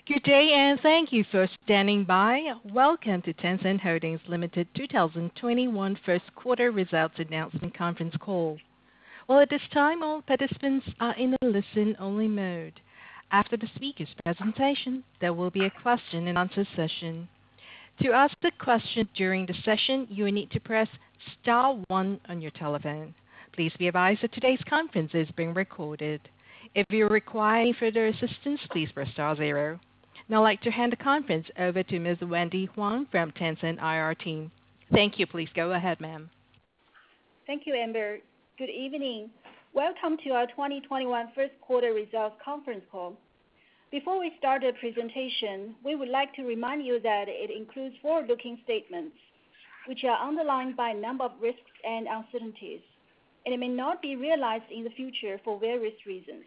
Now I'd like to hand the conference over to Ms. Wendy Huang from Tencent IR team. Thank you. Please go ahead, ma'am. Thank you, Amber. Good evening. Welcome to our 2021 first quarter results conference call. Before we start the presentation, we would like to remind you that it includes forward-looking statements which are underlined by a number of risks and uncertainties, and it may not be realized in the future for various reasons.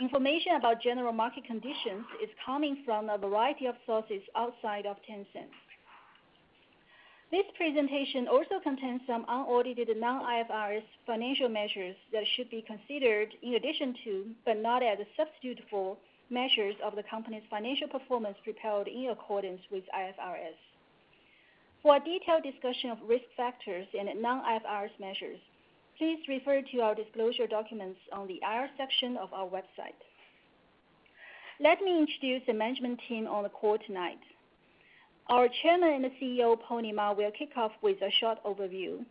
Information about general market conditions is coming from a variety of sources outside of Tencent. This presentation also contains some unaudited non-IFRS financial measures that should be considered in addition to, but not as a substitute for, measures of the company's financial performance prepared in accordance with IFRS. For a detailed discussion of risk factors and non-IFRS measures, please refer to our disclosure documents on the IR section of our website. Let me introduce the management team on the call tonight. Our Chairman and CEO, Pony Ma, will kick off with a short overview.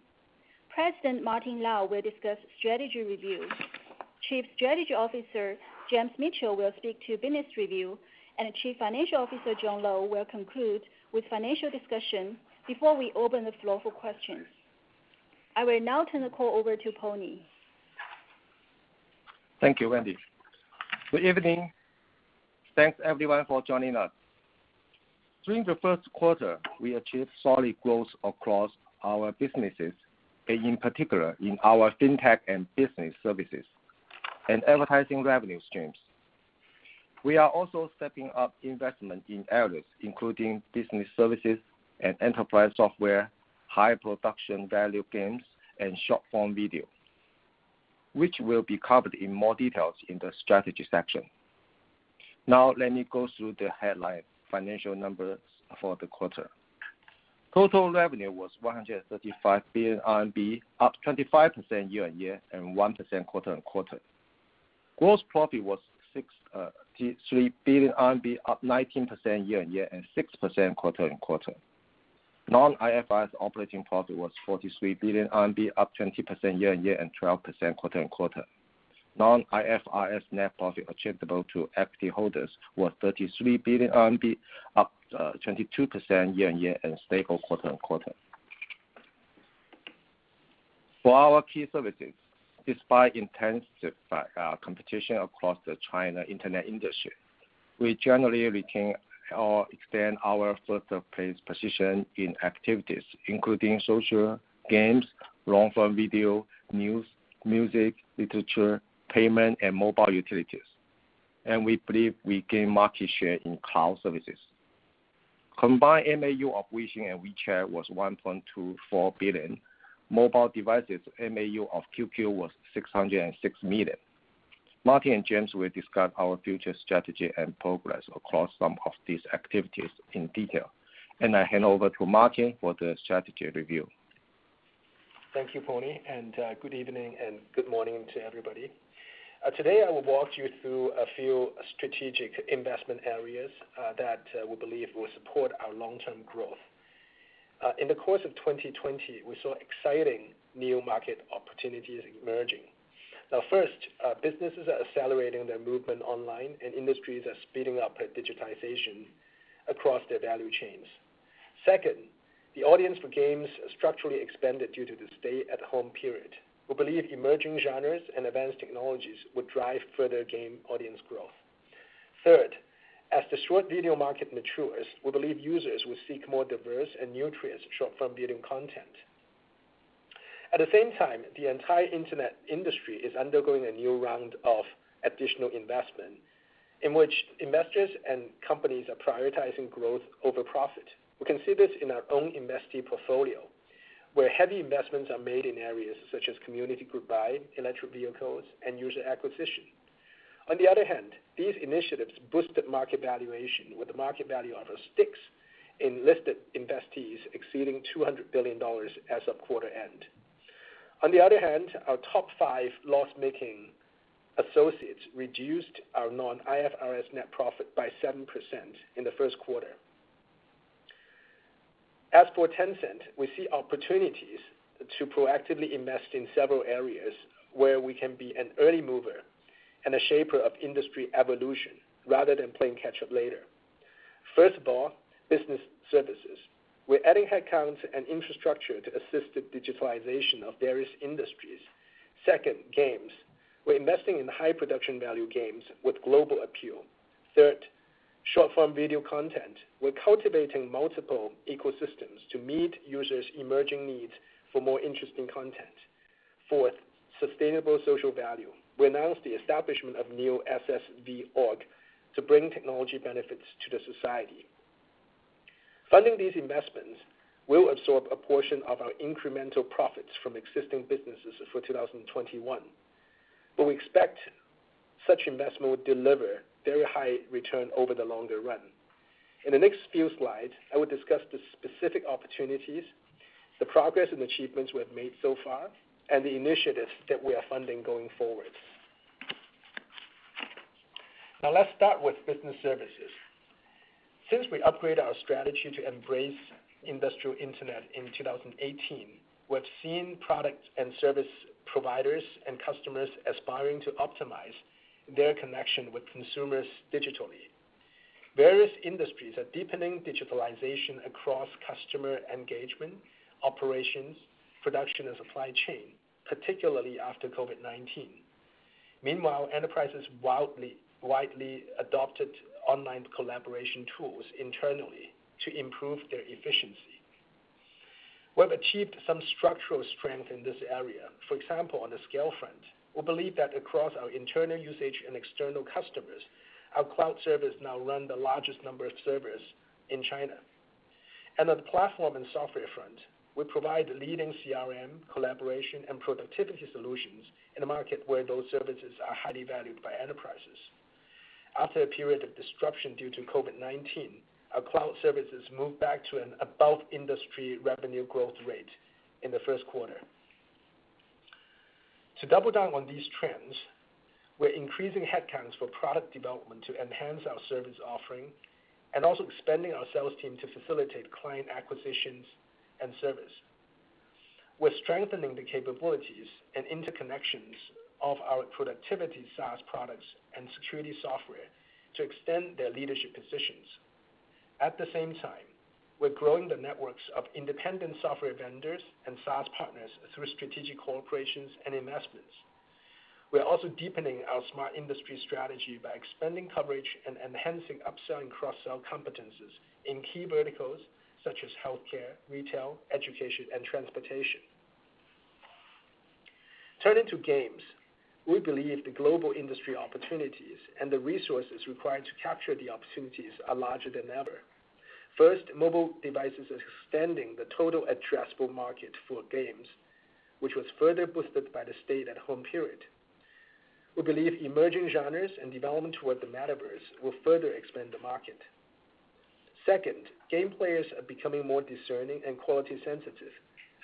President Martin Lau will discuss strategy review. Chief Strategy Officer James Mitchell will speak to business review, Chief Financial Officer John Lo will conclude with financial discussion before we open the floor for questions. I will now turn the call over to Pony. Thank you, Wendy. Good evening. Thanks, everyone, for joining us. During the first quarter, we achieved solid growth across our businesses, in particular in our fintech and business services, and advertising revenue streams. We are also stepping up investment in areas including business services and enterprise software, high production value games, and short-form video, which will be covered in more details in the strategy section. Let me go through the headline financial numbers for the quarter. Total revenue was 135 billion RMB, up 25% year-on-year and 1% quarter-on-quarter. Gross profit was 63 billion RMB, up 19% year-on-year and 6% quarter-on-quarter. Non-IFRS operating profit was 43 billion RMB, up 20% year-on-year and 12% quarter-on-quarter. Non-IFRS net profit attributable to equity holders was 33 billion RMB, up 22% year-on-year and stable quarter-on-quarter. For our key services, despite intensive competition across the China internet industry, we generally retain or extend our first-place position in activities including social, games, long-form video, news, music, literature, payment, and mobile utilities. We believe we gain market share in cloud services. Combined MAU of Weixin and WeChat was 1.24 billion. Mobile devices MAU of QQ was 606 million. Martin and James will discuss our future strategy and progress across some of these activities in detail. I hand over to Martin for the strategy review. Thank you, Pony. Good evening and good morning to everybody. Today, I will walk you through a few strategic investment areas that we believe will support our long-term growth. In the course of 2020, we saw exciting new market opportunities emerging. First, businesses are accelerating their movement online and industries are speeding up their digitization across their value chains. Second, the audience for games structurally expanded due to the stay-at-home period. We believe emerging genres and advanced technologies would drive further game audience growth. Third, as the short video market matures, we believe users will seek more diverse and nutritious short-form video content. At the same time, the entire internet industry is undergoing a new round of additional investment in which investors and companies are prioritizing growth over profit. We can see this in our own investee portfolio, where heavy investments are made in areas such as community group buy, electric vehicles, and user acquisition. On the other hand, these initiatives boosted market valuation, with the market value of our stakes in listed investees exceeding $200 billion as of quarter end. On the other hand, our top five loss-making associates reduced our non-IFRS net profit by 7% in the first quarter. As for Tencent, we see opportunities to proactively invest in several areas where we can be an early mover and a shaper of industry evolution rather than playing catch-up later. First of all, business services. We're adding headcounts and infrastructure to assist the digitalization of various industries. Second, games. We're investing in high production value games with global appeal. Third, short-form video content. We're cultivating multiple ecosystems to meet users' emerging needs for more interesting content. Fourth, Sustainable Social Value. We announced the establishment of new SSV org to bring technology benefits to the society. Funding these investments will absorb a portion of our incremental profits from existing businesses for 2021, but we expect such investment will deliver very high return over the longer run. In the next few slides, I will discuss the specific opportunities, the progress and achievements we have made so far, and the initiatives that we are funding going forward. Now let's start with business services. Since we upgraded our strategy to embrace industrial internet in 2018, we have seen product and service providers and customers aspiring to optimize their connection with consumers digitally. Various industries are deepening digitalization across customer engagement, operations, production, and supply chain, particularly after COVID-19. Meanwhile, enterprises widely adopted online collaboration tools internally to improve their efficiency. We have achieved some structural strength in this area. For example, on the scale front, we believe that across our internal usage and external customers, our cloud service now run the largest number of servers in China. On the platform and software front, we provide leading CRM, collaboration, and productivity solutions in a market where those services are highly valued by enterprises. After a period of disruption due to COVID-19, our cloud services moved back to an above-industry revenue growth rate in the first quarter. To double down on these trends, we're increasing headcounts for product development to enhance our service offering and also expanding our sales team to facilitate client acquisitions and service. We're strengthening the capabilities and interconnections of our productivity SaaS products and security software to extend their leadership positions. At the same time, we're growing the networks of independent software vendors and SaaS partners through strategic operations and investments. We're also deepening our smart industry strategy by expanding coverage and enhancing upsell and cross-sell competencies in key verticals such as healthcare, retail, education, and transportation. Turning to games, we believe the global industry opportunities and the resources required to capture the opportunities are larger than ever. First, mobile devices are extending the total addressable market for games, which was further boosted by the stay-at-home period. We believe emerging genres and development toward the metaverse will further expand the market. Second, game players are becoming more discerning and quality sensitive.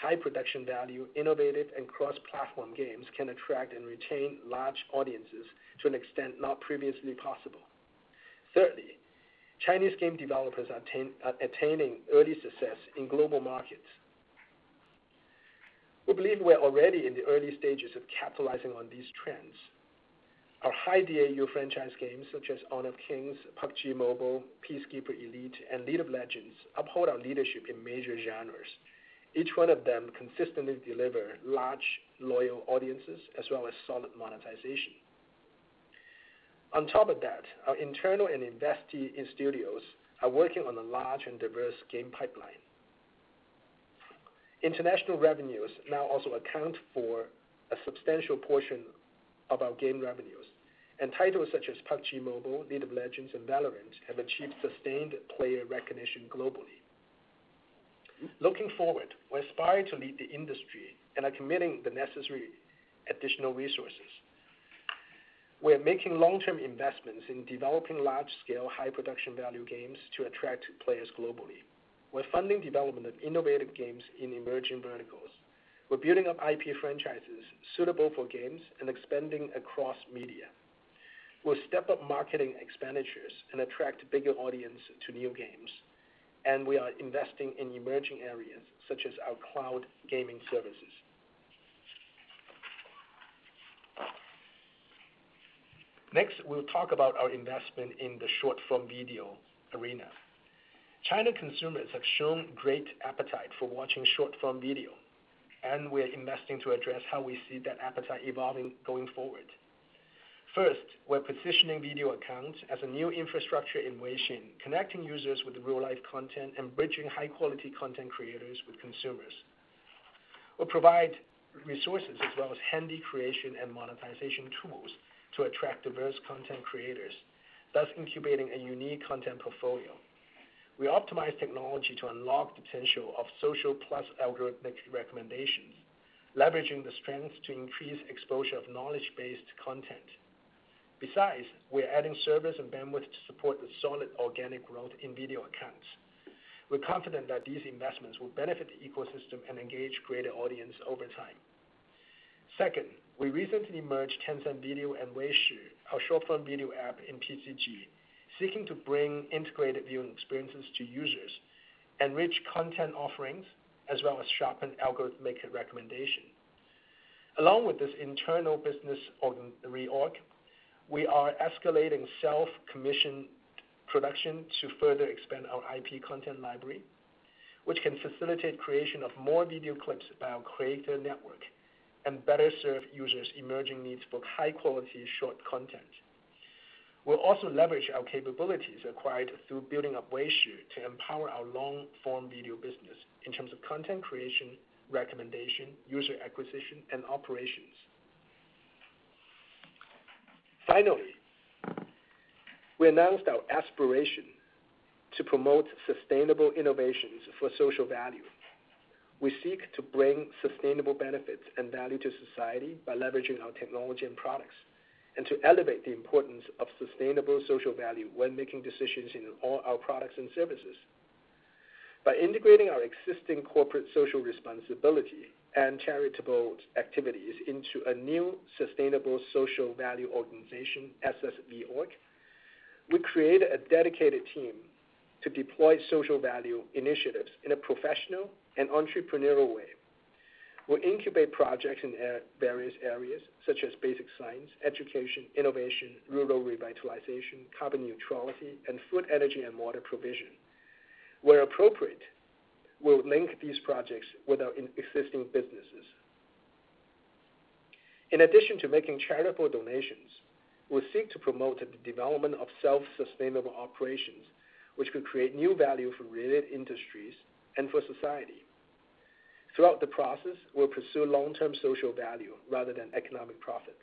High production value, innovative, and cross-platform games can attract and retain large audiences to an extent not previously possible. Thirdly, Chinese game developers are attaining early success in global markets. We believe we are already in the early stages of capitalizing on these trends. Our high DAU franchise games such as Honor of Kings, PUBG MOBILE, Peacekeeper Elite, and League of Legends uphold our leadership in major genres. Each one of them consistently deliver large, loyal audiences as well as solid monetization. On top of that, our internal and investee studios are working on a large and diverse game pipeline. International revenues now also account for a substantial portion of our game revenues, and titles such as PUBG MOBILE, League of Legends, and VALORANT have achieved sustained player recognition globally. Looking forward, we aspire to lead the industry and are committing the necessary additional resources. We're making long-term investments in developing large-scale, high production value games to attract players globally. We're funding development of innovative games in emerging verticals. We're building up IP franchises suitable for games and expanding across media. We'll step up marketing expenditures and attract bigger audience to new games. We are investing in emerging areas such as our cloud gaming services. Next, we'll talk about our investment in the short-form video arena. China consumers have shown great appetite for watching short-form video. We're investing to address how we see that appetite evolving going forward. First, we're positioning Video Accounts as a new infrastructure in Weixin, connecting users with real-life content and bridging high-quality content creators with consumers. We provide resources as well as handy creation and monetization tools to attract diverse content creators, thus incubating a unique content portfolio. We optimize technology to unlock potential of social plus algorithmic recommendations, leveraging the strength to increase exposure of knowledge-based content. Besides, we're adding servers and bandwidth to support the solid organic growth in Video Accounts. We're confident that these investments will benefit the ecosystem and engage greater audience over time. Second, we recently merged Tencent Video and Weishi, our short-form video app in PCG, seeking to bring integrated viewing experiences to users, enrich content offerings, as well as sharpen algorithmic recommendation. Along with this internal business reorg, we are escalating self-commission production to further expand our IP content library, which can facilitate creation of more video clips by our creator network and better serve users' emerging needs for high-quality short content. We'll also leverage our capabilities acquired through building up Weishi to empower our long-form video business in terms of content creation, recommendation, user acquisition, and operations. Finally, we announced our aspiration to promote sustainable innovations for social value. We seek to bring sustainable benefits and value to society by leveraging our technology and products, and to elevate the importance of sustainable social value when making decisions in all our products and services. By integrating our existing corporate social responsibility and charitable activities into a new Sustainable Social Value Organisation, SSV Org, we created a dedicated team to deploy social value initiatives in a professional and entrepreneurial way. We'll incubate projects in various areas such as basic science, education, innovation, rural revitalization, carbon neutrality, and food, energy, and water provision. Where appropriate, we'll link these projects with our existing businesses. In addition to making charitable donations, we'll seek to promote the development of self-sustainable operations, which will create new value for related industries and for society. Throughout the process, we'll pursue long-term social value rather than economic profits.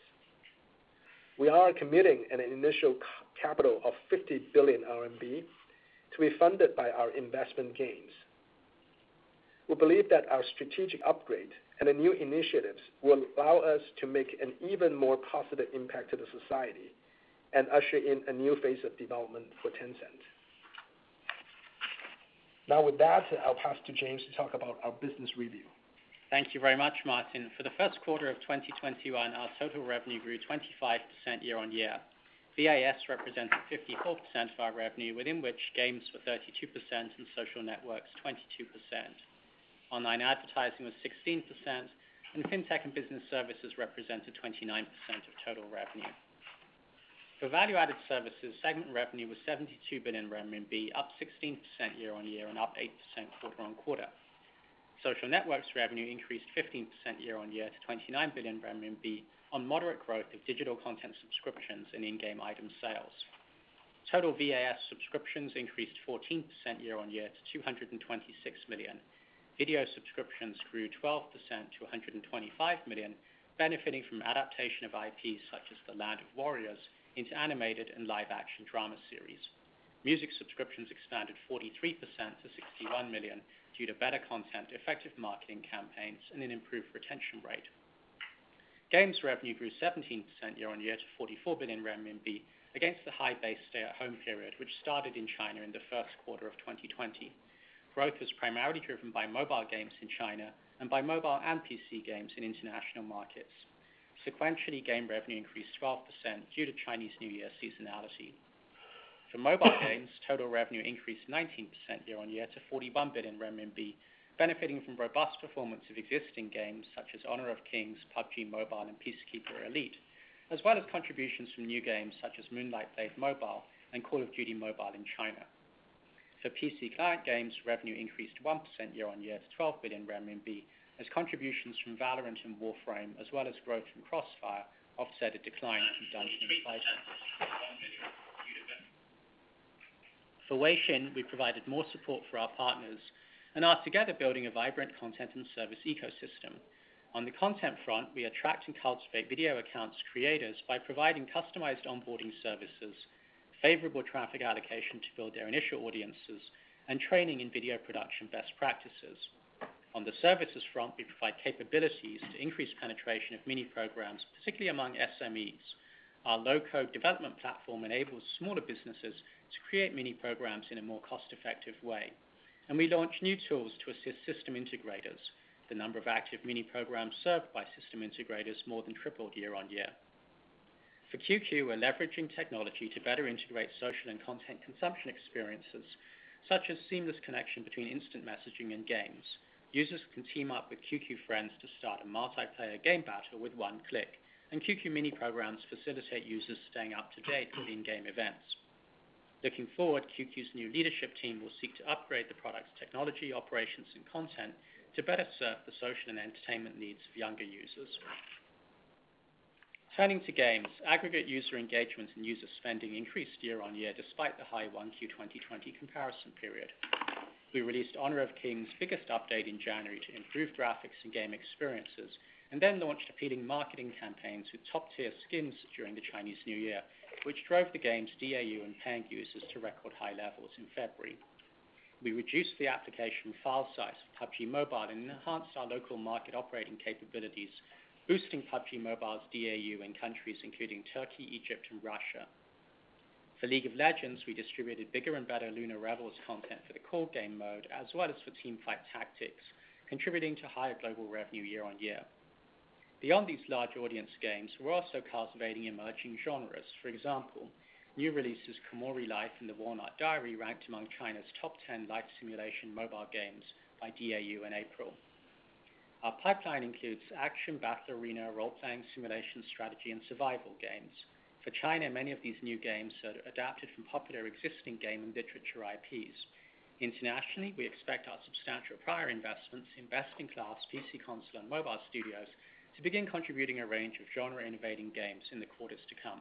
We are committing an initial capital of 50 billion RMB to be funded by our investment gains. We believe that our strategic upgrade and the new initiatives will allow us to make an even more positive impact to the society and usher in a new phase of development for Tencent. Now with that, I will pass to James to talk about our business review. Thank you very much, Martin. For the first quarter of 2021, our total revenue grew 25% year-on-year. VAS represented 54% of our revenue, within which games were 32% and social networks 22%. Online advertising was 16%, and fintech and business services represented 29% of total revenue. For value-added services, segment revenue was 72 billion RMB, up 16% year-on-year and up 8% quarter-on-quarter. Social networks revenue increased 15% year-on-year to 29 billion RMB on moderate growth of digital content subscriptions and in-game item sales. Total VAS subscriptions increased 14% year-on-year to 226 million. Video subscriptions grew 12% to 125 million, benefiting from adaptation of IPs such as The Land of Warriors into animated and live-action drama series. Music subscriptions expanded 43% to 61 million due to better content, effective marketing campaigns, and an improved retention rate. Games revenue grew 17% year-on-year to 44 billion RMB against the high base stay-at-home period, which started in China in the first quarter of 2020. Growth was primarily driven by mobile games in China and by mobile and PC games in international markets. Sequentially, game revenue increased 12% due to Chinese New Year seasonality. For mobile games, total revenue increased 19% year-on-year to 41 billion renminbi, benefiting from robust performance of existing games such as Honor of Kings, PUBG MOBILE, and Peacekeeper Elite, as well as contributions from new games such as Moonlight Blade Mobile and Call of Duty Mobile in China. For PC client games, revenue increased 1% year-on-year to 12 billion RMB as contributions from VALORANT and Warframe, as well as growth in CrossFire, offset a decline from Dungeon & Fighter. For Weixin, we provided more support for our partners and are together building a vibrant content and service ecosystem. On the content front, we attract and cultivate Video Accounts creators by providing customized onboarding services, favorable traffic allocation to build their initial audiences, and training in video production best practices. On the services front, we provide capabilities to increase penetration of mini programs, particularly among SMEs. Our low-code development platform enables smaller businesses to create mini programs in a more cost-effective way, and we launched new tools to assist system integrators. The number of active mini programs served by system integrators more than tripled year-on-year. For QQ, we're leveraging technology to better integrate social and content consumption experiences, such as seamless connection between instant messaging and games. Users can team up with QQ friends to start a multiplayer game battle with one click, and QQ mini programs facilitate users staying up-to-date with in-game events. Looking forward, QQ's new leadership team will seek to upgrade the product's technology, operations, and content to better serve the social and entertainment needs of younger users. Turning to games, aggregate user engagement and user spending increased year-on-year despite the high 1Q 2020 comparison period. We released Honor of Kings' biggest update in January to improve graphics and game experiences, and then launched appealing marketing campaigns with top-tier skins during the Chinese New Year, which drove the game's DAU and paying users to record high levels in February. We reduced the application file size of PUBG MOBILE and enhanced our local market operating capabilities, boosting PUBG MOBILE's DAU in countries including Turkey, Egypt, and Russia. For League of Legends, we distributed bigger and better Lunar Revel content for the core game mode as well as for Teamfight Tactics, contributing to higher global revenue year-on-year. Beyond these large audience games, we're also cultivating emerging genres. For example, new releases Komori Life and The Walnut Diary ranked among China's top 10 life simulation mobile games by DAU in April. Our pipeline includes action, battle arena, role-playing, simulation, strategy, and survival games. For China, many of these new games are adapted from popular existing game and literature IPs. Internationally, we expect our substantial prior investments in best-in-class PC console and mobile studios to begin contributing a range of genre-innovating games in the quarters to come.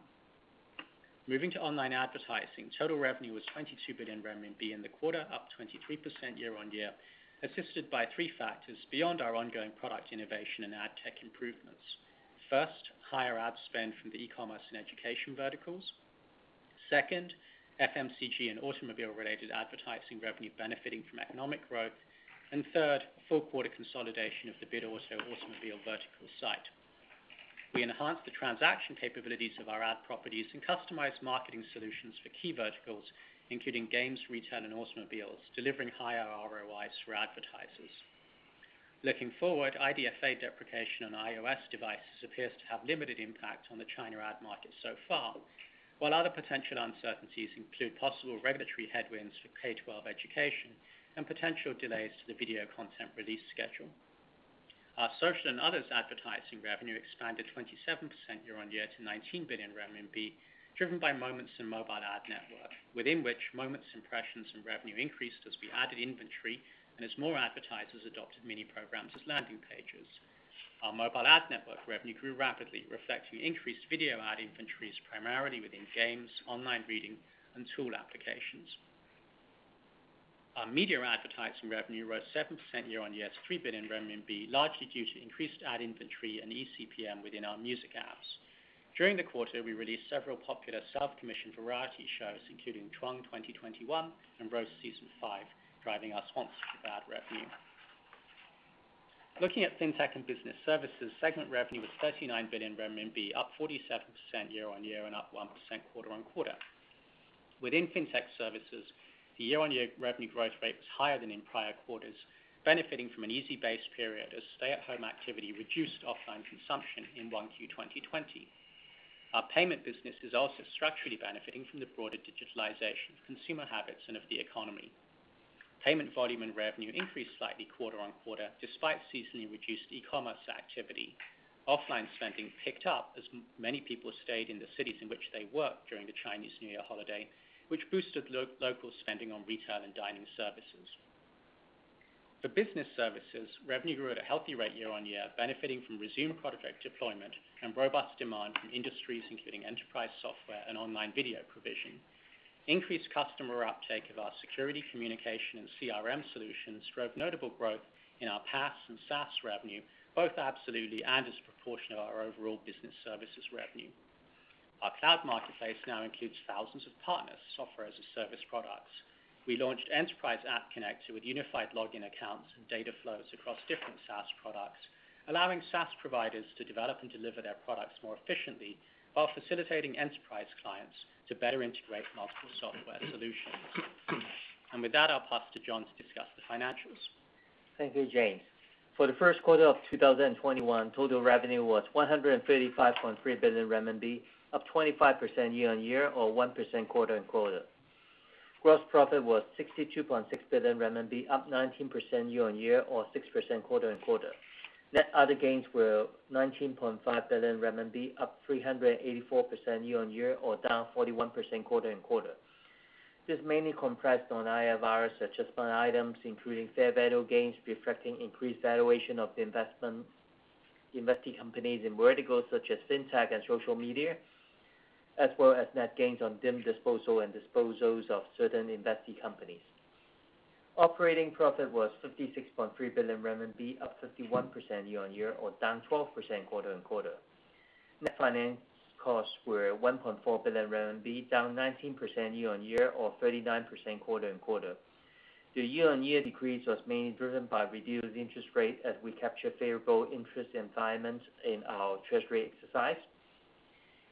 Moving to online advertising. Total revenue was 22 billion RMB in the quarter, up 23% year-on-year, assisted by three factors beyond our ongoing product innovation and ad tech improvements. First, higher ad spend from the e-commerce and education verticals. Second, FMCG and automobile-related advertising revenue benefiting from economic growth. Third, full quarter consolidation of the Bitauto automobile vertical site. We enhanced the transaction capabilities of our ad properties and customized marketing solutions for key verticals, including games, retail, and automobiles, delivering higher ROIs for advertisers. Looking forward, IDFA deprecation on iOS devices appears to have limited impact on the China ad market so far. Other potential uncertainties include possible regulatory headwinds for K-12 education and potential delays to the video content release schedule. Our social and others advertising revenue expanded 27% year-on-year to 19 billion RMB, driven by Moments and Mobile Ad Network, within which Moments impressions and revenue increased as we added inventory and as more advertisers adopted mini programs as landing pages. Our Mobile Ad Network revenue grew rapidly, reflecting increased video ad inventories primarily within games, online reading, and tool applications. Our media advertising revenue rose 7% year-on-year, 3 billion RMB, largely due to increased ad inventory and eCPM within our music apps. During the quarter, we released several popular self-commissioned variety shows including CHUANG 2021 and Roast! Season five, driving our sponsor ad revenue. Looking at Fintech and business services, segment revenue was 39 billion renminbi, up 47% year-on-year and up 1% quarter-on-quarter. Within Fintech services, the year-on-year revenue growth rate was higher than in prior quarters, benefiting from an easy base period as stay-at-home activity reduced offline consumption in 1Q 2020. Our payment business is also structurally benefiting from the broader digitalization of consumer habits and of the economy. Payment volume and revenue increased slightly quarter-on-quarter, despite seasonally reduced e-commerce activity. Offline spending picked up as many people stayed in the cities in which they work during the Chinese New Year holiday, which boosted local spending on retail and dining services. For business services, revenue grew at a healthy rate year-on-year, benefiting from resume project deployment and robust demand from industries including enterprise software and online video provision. Increased customer uptake of our security communication and CRM solutions drove notable growth in our PaaS and SaaS revenue, both absolutely and as a proportion of our overall business services revenue. Our cloud marketplace now includes thousands of partners, Software as a Service products. We launched Enterprise App Connector with unified login accounts and data flows across different SaaS products, allowing SaaS providers to develop and deliver their products more efficiently while facilitating enterprise clients to better integrate multiple software solutions. With that, I'll pass to John to discuss the financials. Thank you, James. For the first quarter of 2021, total revenue was 135.3 billion RMB, up 25% year-on-year or 1% quarter-on-quarter. Gross profit was 62.6 billion RMB, up 19% year-on-year or 6% quarter-on-quarter. Net other gains were 19.5 billion RMB, up 384% year-on-year or down 41% quarter-on-quarter. This mainly comprised non-IFRS adjustment items, including fair value gains reflecting increased valuation of the investee companies in verticals such as Fintech and social media, as well as net gains on deemed disposal and disposals of certain investee companies. Operating profit was 56.3 billion RMB, up 51% year-on-year or down 12% quarter-on-quarter. Net finance costs were 1.4 billion RMB, down 19% year-on-year or 39% quarter-on-quarter. The year-on-year decrease was mainly driven by reduced interest rate as we capture favorable interest environments in our treasury exercise.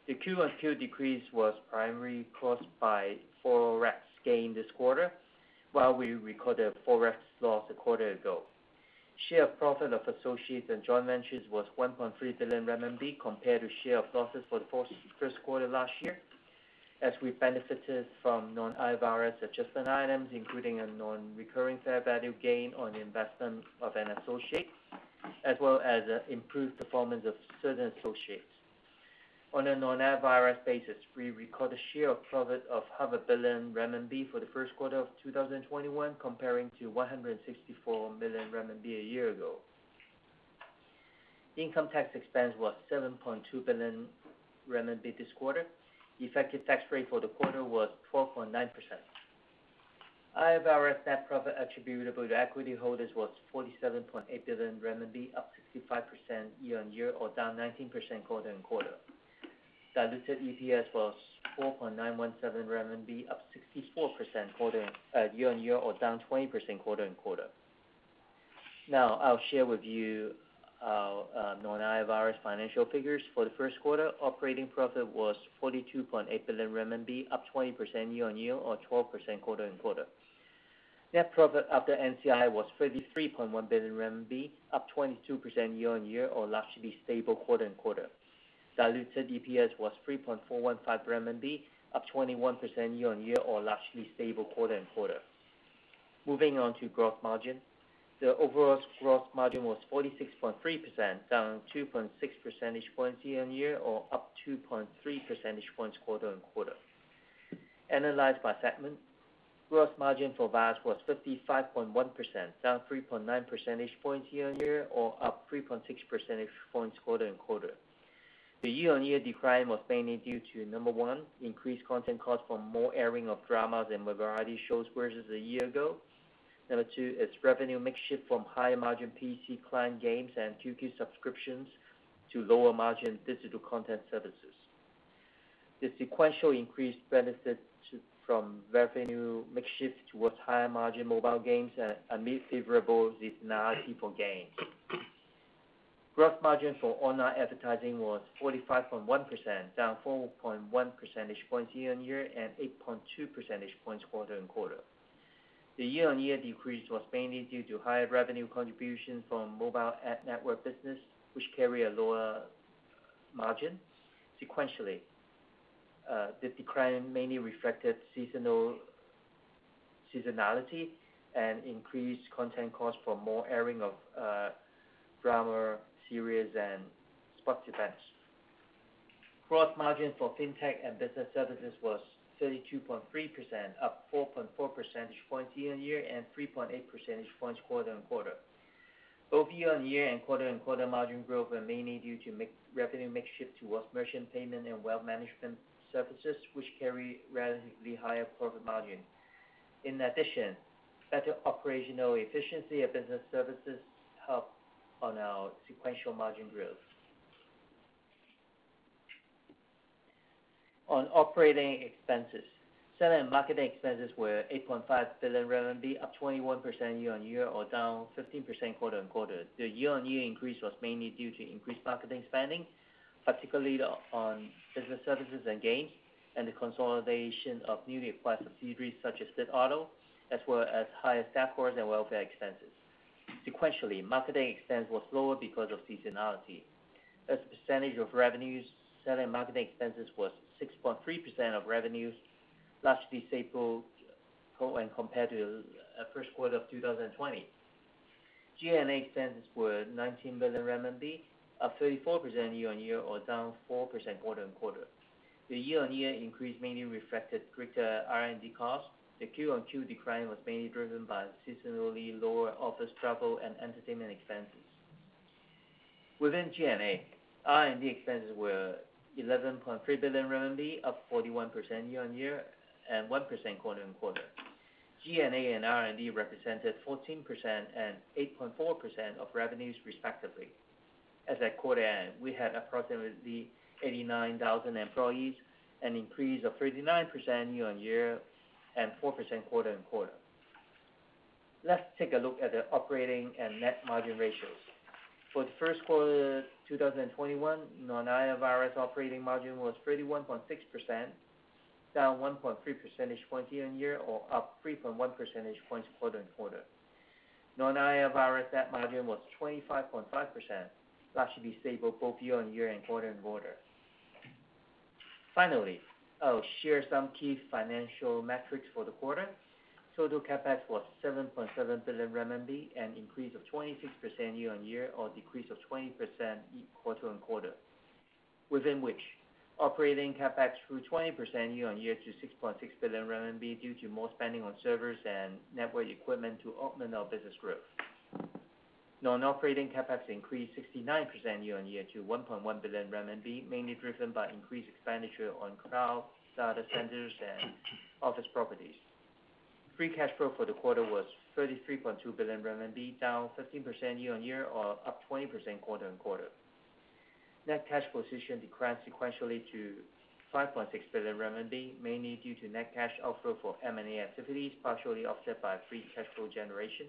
The QoQ decrease was primarily caused by forex gain this quarter, while we recorded a forex loss a quarter ago. Share profit of associates and joint ventures was 1.3 billion RMB compared to share of losses for the first quarter last year, as we benefited from non-IFRS adjustment items, including a non-recurring fair value gain on investment of an associate, as well as improved performance of certain associates. On a non-IFRS basis, we record a share of profit of half a billion RMB for the first quarter of 2021, comparing to 164 million renminbi a year ago. Income tax expense was 7.2 billion renminbi this quarter. Effective tax rate for the quarter was 12.9%. IFRS net profit attributable to equity holders was 47.8 billion renminbi, up 65% year-on-year or down 19% quarter-on-quarter. Diluted EPS was 4.917 renminbi, up 64% year-on-year or down 20% quarter-on-quarter. Now, I'll share with you our non-IFRS financial figures. For the first quarter, operating profit was 42.8 billion RMB, up 20% year-on-year or 12% quarter-on-quarter. Net profit after NCI was 33.1 billion RMB, up 22% year-on-year or largely stable quarter-on-quarter. Diluted EPS was 3.415, up 21% year-on-year or largely stable quarter-on-quarter. Moving on to gross margin. The overall gross margin was 46.3%, down 2.6 percentage points year-on-year or up 2.3 percentage points quarter-on-quarter. Analyzed by segment, gross margin for VAS was 55.1%, down 3.9 percentage points year-on-year, or up 3.6 percentage points quarter-on-quarter. The year-on-year decline was mainly due to, number one, increased content cost from more airing of dramas and variety shows versus a year ago. Number two, its revenue mix shift from higher margin PC client games and QQ subscriptions to lower margin digital content services. The sequential increase benefits from revenue mix shift towards higher margin mobile games amid favorable seasonality for games. Gross margin for online advertising was 45.1%, down 4.1 percentage points year-on-year and 8.2 percentage points quarter-on-quarter. The year-on-year decrease was mainly due to higher revenue contribution from Mobile Ad Network business, which carry a lower margin sequentially. The decline mainly reflected seasonality and increased content cost for more airing of drama series and sports events. Gross margin for Fintech and business services was 32.3%, up 4.4 percentage points year-on-year and 3.8 percentage points quarter-on-quarter. Both year-on-year and quarter-on-quarter margin growth were mainly due to revenue mix shift towards merchant payment and wealth management services, which carry relatively higher corporate margin. In addition, better operational efficiency of business services helped on our sequential margin growth. On operating expenses, selling and marketing expenses were 8.5 billion RMB, up 21% year-on-year or down 15% quarter-on-quarter. The year-on-year increase was mainly due to increased marketing spending, particularly on business services and games, and the consolidation of newly acquired subsidiaries such as Bitauto, as well as higher staff costs and welfare expenses. Sequentially, marketing expense was lower because of seasonality. As a percentage of revenues, selling marketing expenses was 6.3% of revenues, largely stable when compared to first quarter of 2020. G&A expenses were RMB 19 billion, up 34% year-on-year or down 4% quarter-on-quarter. The year-on-year increase mainly reflected greater R&D costs. The Q-on-Q decline was mainly driven by seasonally lower office travel and entertainment expenses. Within G&A, R&D expenses were 11.3 billion RMB, up 41% year-on-year and 1% quarter-on-quarter. G&A and R&D represented 14% and 8.4% of revenues respectively. As at quarter end, we had approximately 89,000 employees, an increase of 39% year-on-year and 4% quarter-on-quarter. Let's take a look at the operating and net margin ratios. For the first quarter 2021, non-IFRS operating margin was 31.6%, down 1.3 percentage points year-on-year or up 3.1 percentage points quarter-on-quarter. non-IFRS net margin was 25.5%, largely stable both year-on-year and quarter-on-quarter. Finally, I'll share some key financial metrics for the quarter. Total CapEx was 7.7 billion RMB, an increase of 26% year-on-year or decrease of 20% quarter-on-quarter, within which operating CapEx grew 20% year-on-year to 6.6 billion RMB due to more spending on servers and network equipment to augment our business growth. Non-operating CapEx increased 69% year-on-year to 1.1 billion RMB, mainly driven by increased expenditure on cloud data centers and office properties. Free cash flow for the quarter was 33.2 billion RMB, down 15% year-on-year or up 20% quarter-on-quarter. Net cash position declined sequentially to 5.6 billion RMB, mainly due to net cash outflow for M&A activities, partially offset by free cash flow generation.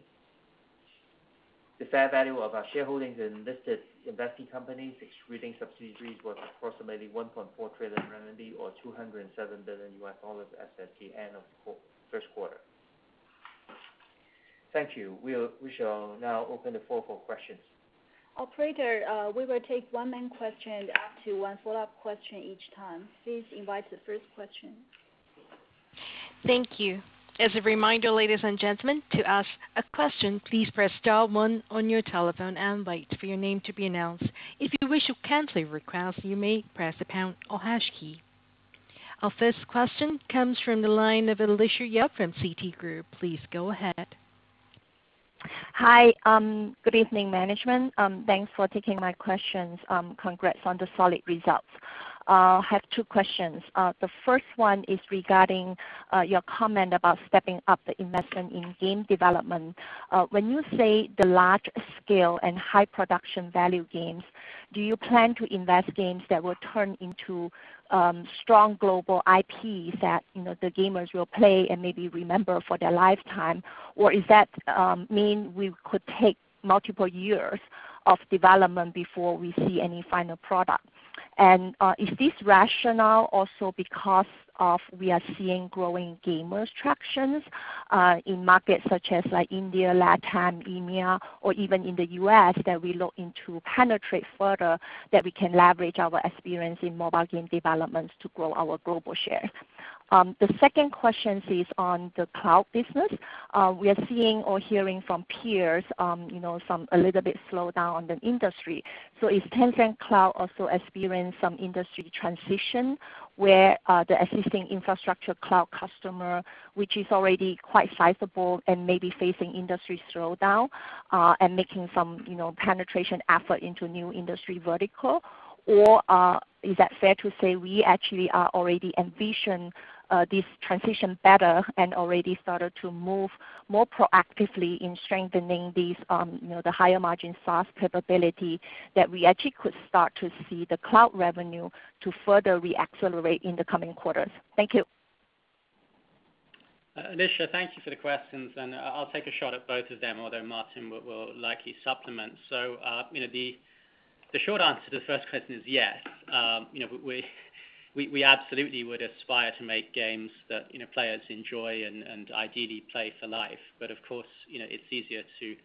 The fair value of our shareholdings in listed investee companies, excluding subsidiaries, was approximately 1.4 trillion renminbi or $207 billion as at the end of first quarter. Thank you. We shall now open the floor for questions. Operator, we will take one main question and up to one follow-up question each time. Please invite the first question. Thank you. As a reminder, ladies and gentlemen, to ask a question, please press star one on your telephone and wait for your name to be announced. If you wish to cancel your request, you may press the pound or hash key. Our first question comes from the line of Alicia Yap from Citigroup. Please go ahead. Hi. Good evening, management. Thanks for taking my questions. Congrats on the solid results. I have two questions. The first one is regarding your comment about stepping up the investment in game development. When you say the large scale and high production value games, do you plan to invest games that will turn into strong global IPs that the gamers will play and maybe remember for their lifetime? Is that mean we could take multiple years of development before we see any final product? Is this rationale also because of we are seeing growing gamers tractions in markets such as India, LatAm, EMEA, or even in the U.S., that we look into penetrate further, that we can leverage our experience in mobile game developments to grow our global share? The second question is on the cloud business. We are seeing or hearing from peers a little bit slowdown on the industry. Is Tencent Cloud also experience some industry transition where the existing infrastructure cloud customer, which is already quite sizable and maybe facing industry slowdown, and making some penetration effort into new industry vertical? Is that fair to say we actually are already envision this transition better and already started to move more proactively in strengthening the higher margin SaaS capability that we actually could start to see the cloud revenue to further re-accelerate in the coming quarters? Thank you. Alicia, thank you for the questions, and I'll take a shot at both of them, although Martin will likely supplement. The short answer to the first question is yes. We absolutely would aspire to make games that players enjoy and ideally play for life. Of course, it's easier to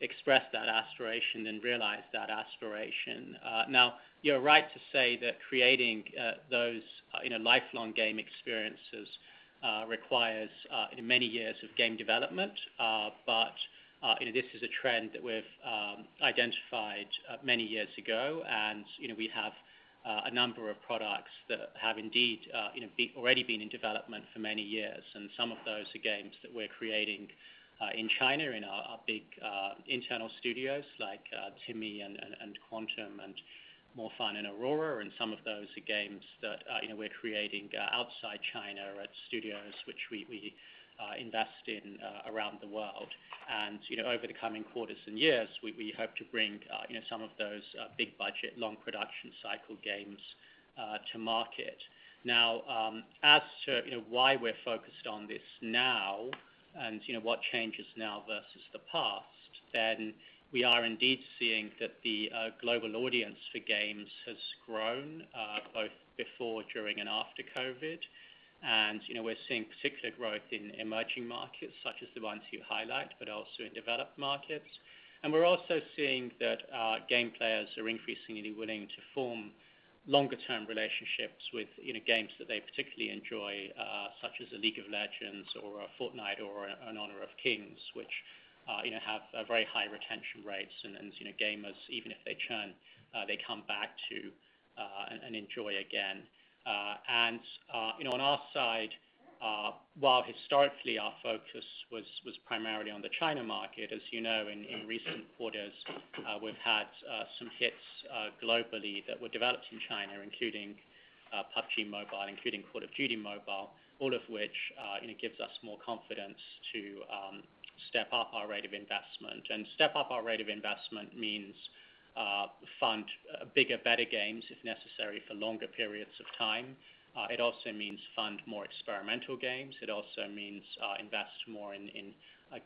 express that aspiration than realize that aspiration. Now, you're right to say that creating those lifelong game experiences requires many years of game development. This is a trend that we've identified many years ago, and we have a number of products that have indeed already been in development for many years. Some of those are games that we're creating in China in our big internal studios like TiMi and Quantum and MoreFun and Aurora. Some of those are games that we're creating outside China at studios which we invest in around the world. Over the coming quarters and years, we hope to bring some of those big budget, long production cycle games to market. As to why we're focused on this now and what changes now versus the past, we are indeed seeing that the global audience for games has grown, both before, during, and after COVID-19. We're seeing particular growth in emerging markets such as the ones you highlight, but also in developed markets. We're also seeing that game players are increasingly willing to form longer-term relationships with games that they particularly enjoy, such as a League of Legends or a Fortnite or an Honor of Kings, which have very high retention rates. Gamers, even if they churn, they come back to and enjoy again. On our side, while historically our focus was primarily on the China market, as you know, in recent quarters, we've had some hits globally that were developed in China, including PUBG MOBILE, including Call of Duty Mobile, all of which gives us more confidence to step up our rate of investment. Step up our rate of investment means fund bigger, better games, if necessary, for longer periods of time. It also means fund more experimental games. It also means invest more in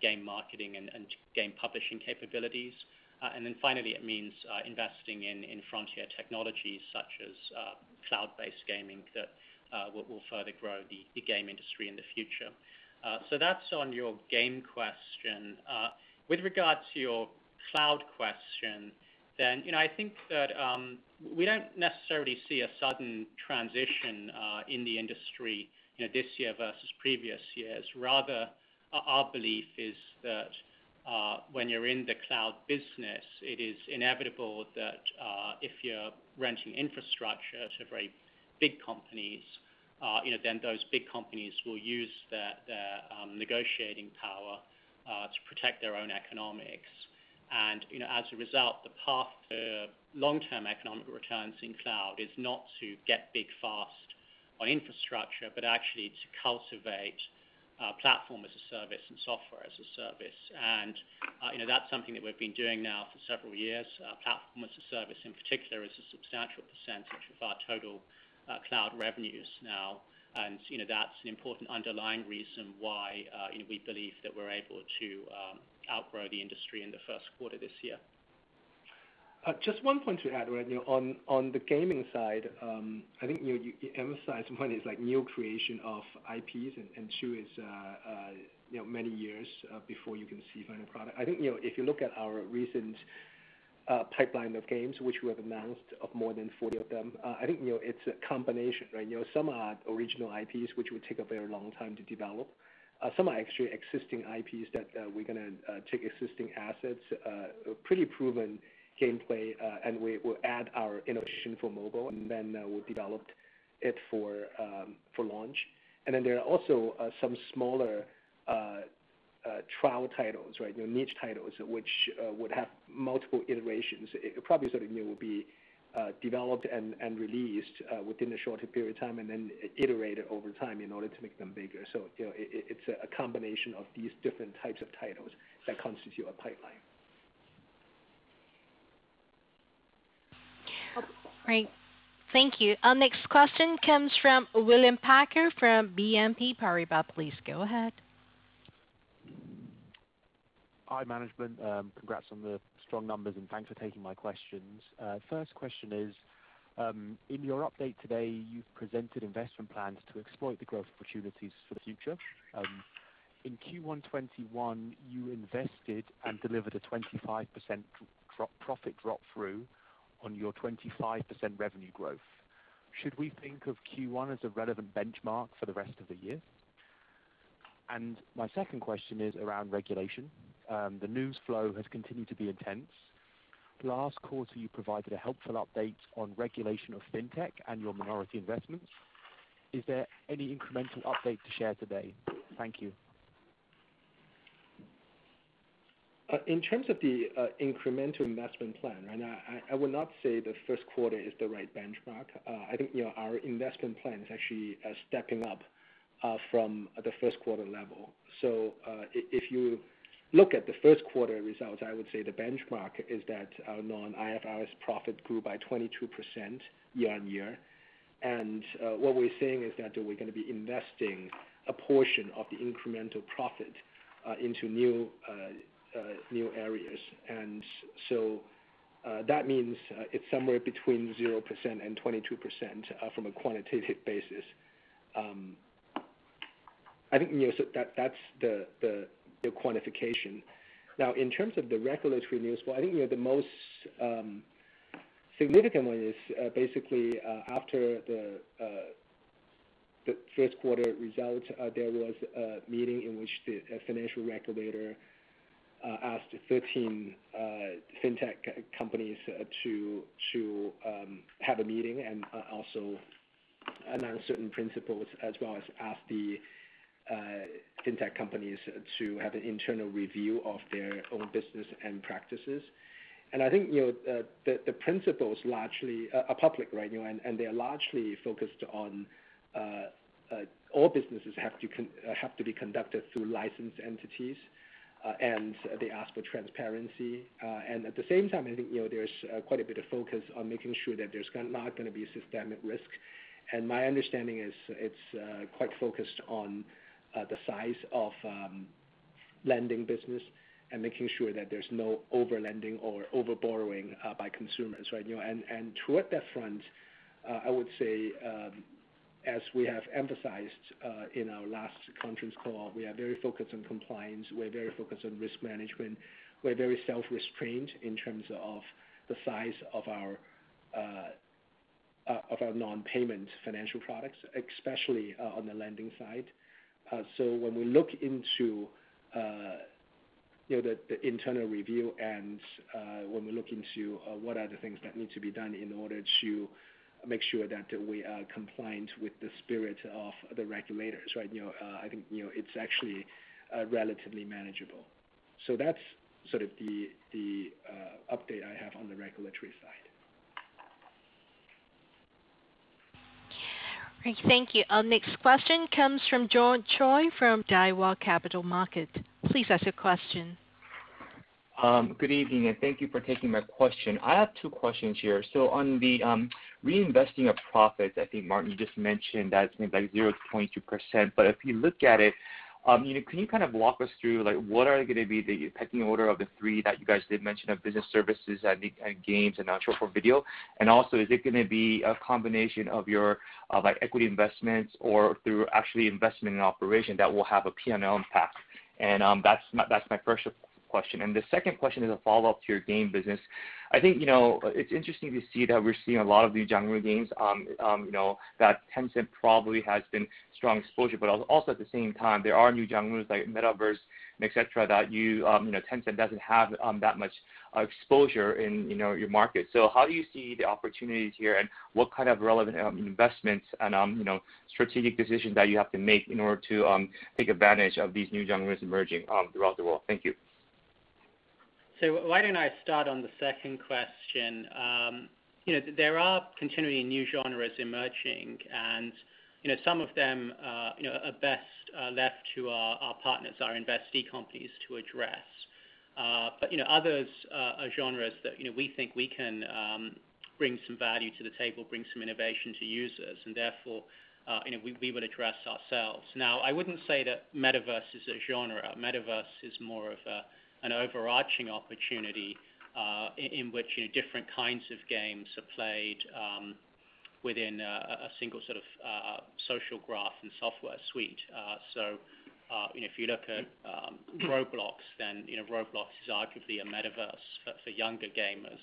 game marketing and game publishing capabilities. Finally, it means investing in frontier technologies such as cloud-based gaming that will further grow the game industry in the future. That's on your game question. With regards to your cloud question, I think that we don't necessarily see a sudden transition in the industry this year versus previous years. Rather, our belief is that when you're in the cloud business, it is inevitable that if you're renting infrastructure to very big companies, then those big companies will use their negotiating power to protect their own economics. As a result, the path to long-term economic returns in cloud is not to get big fast on infrastructure, but actually to cultivate Platform as a Service and Software as a Service. That's something that we've been doing now for several years. Platform as a Service, in particular, is a substantial percentage of our total cloud revenues now, and that's an important underlying reason why we believe that we're able to outgrow the industry in the first quarter this year. Just one point to add on the gaming side. I think you emphasized one is new creation of IPs, and two is many years before you can see final product. I think if you look at our recent pipeline of games, which we have announced of more than 40 of them, I think it's a combination. Some are original IPs, which will take a very long time to develop. Some are actually existing IPs that we're going to take existing assets, pretty proven gameplay, and we will add our innovation for mobile, and then we'll develop it for launch. There are also some smaller trial titles, niche titles, which would have multiple iterations, probably will be developed and released within a shorter period of time and then iterated over time in order to make them bigger. It's a combination of these different types of titles that constitute a pipeline. Great. Thank you. Our next question comes from William Packer from BNP Paribas. Please go ahead. Hi, management. Congrats on the strong numbers and thanks for taking my questions. First question is, in your update today, you've presented investment plans to exploit the growth opportunities for the future. In Q1 2021, you invested and delivered a 25% profit drop through on your 25% revenue growth. Should we think of Q1 as a relevant benchmark for the rest of the year? My second question is around regulation. The news flow has continued to be intense. Last quarter, you provided a helpful update on regulation of fintech and your minority investments. Is there any incremental update to share today? Thank you. In terms of the incremental investment plan, I would not say the first quarter is the right benchmark. I think our investment plan is actually stepping up from the first quarter level. If you look at the first quarter results, I would say the benchmark is that our non-IFRS profit grew by 22% year-on-year. What we're saying is that we're going to be investing a portion of the incremental profit into new areas. That means it's somewhere between 0% and 22% from a quantitative basis. I think that's the quantification. In terms of the regulatory news flow, I think the most significant one is basically after the first quarter results, there was a meeting in which the financial regulator asked 13 fintech companies to have a meeting and also announce certain principles as well as ask the fintech companies to have an internal review of their own business and practices. I think, the principles are public, and they're largely focused on all businesses have to be conducted through licensed entities, and they ask for transparency. At the same time, I think there's quite a bit of focus on making sure that there's not going to be systemic risk. My understanding is it's quite focused on the size of lending business and making sure that there's no over-lending or over-borrowing by consumers. Toward that front, I would say, as we have emphasized in our last conference call, we are very focused on compliance. We are very focused on risk management. We are very self-restrained in terms of the size of our non-payment financial products, especially on the lending side. When we look into the internal review and when we look into what are the things that need to be done in order to make sure that we are compliant with the spirit of the regulators. I think it is actually relatively manageable. That is sort of the update I have on the regulatory side. Great. Thank you. Our next question comes from John Choi from Daiwa Capital Markets. Please ask your question. Good evening, and thank you for taking my question. I have two questions here. On the reinvesting of profits, I think Martin just mentioned that it's going to be like 0%-22%, but if you look at it, can you kind of walk us through what are going to be the pecking order of the three that you guys did mention of business services and games and now short-form video? Also, is it going to be a combination of your equity investments or through actually investment in operation that will have a P&L impact? That's my first question. The second question is a follow-up to your game business. I think it's interesting to see that we're seeing a lot of new genre games that Tencent probably has been strong exposure, but also at the same time, there are new genres like metaverse and et cetera, that Tencent doesn't have that much exposure in your market. How do you see the opportunities here, and what kind of relevant investments and strategic decisions that you have to make in order to take advantage of these new genres emerging throughout the world? Thank you. Why don't I start on the second question? There are continually new genres emerging, and some of them are best left to our partners, our investee companies to address. Others are genres that we think we can bring some value to the table, bring some innovation to users, and therefore, we would address ourselves. I wouldn't say that Metaverse is a genre. Metaverse is more of an overarching opportunity in which different kinds of games are played within a single sort of social graph and software suite. If you look at Roblox, then Roblox is arguably a Metaverse but for younger gamers.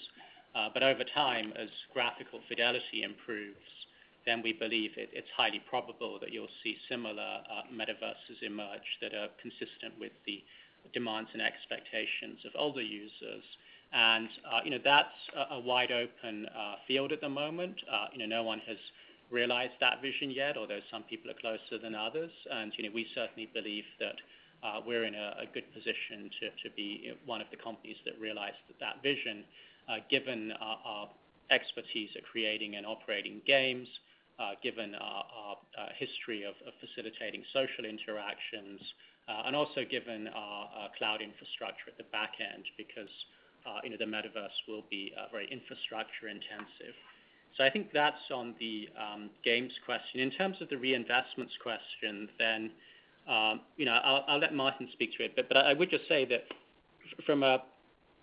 Over time, as graphical fidelity improves, then we believe it's highly probable that you'll see similar Metaverses emerge that are consistent with the demands and expectations of older users. That's a wide-open field at the moment. No one has realized that vision yet, although some people are closer than others. We certainly believe that we're in a good position to be one of the companies that realize that vision given our expertise at creating and operating games, given our history of facilitating social interactions, and also given our cloud infrastructure at the back end, because the Metaverse will be very infrastructure intensive. I think that's on the games question. In terms of the reinvestments question, then I'll let Martin speak to it, but I would just say that.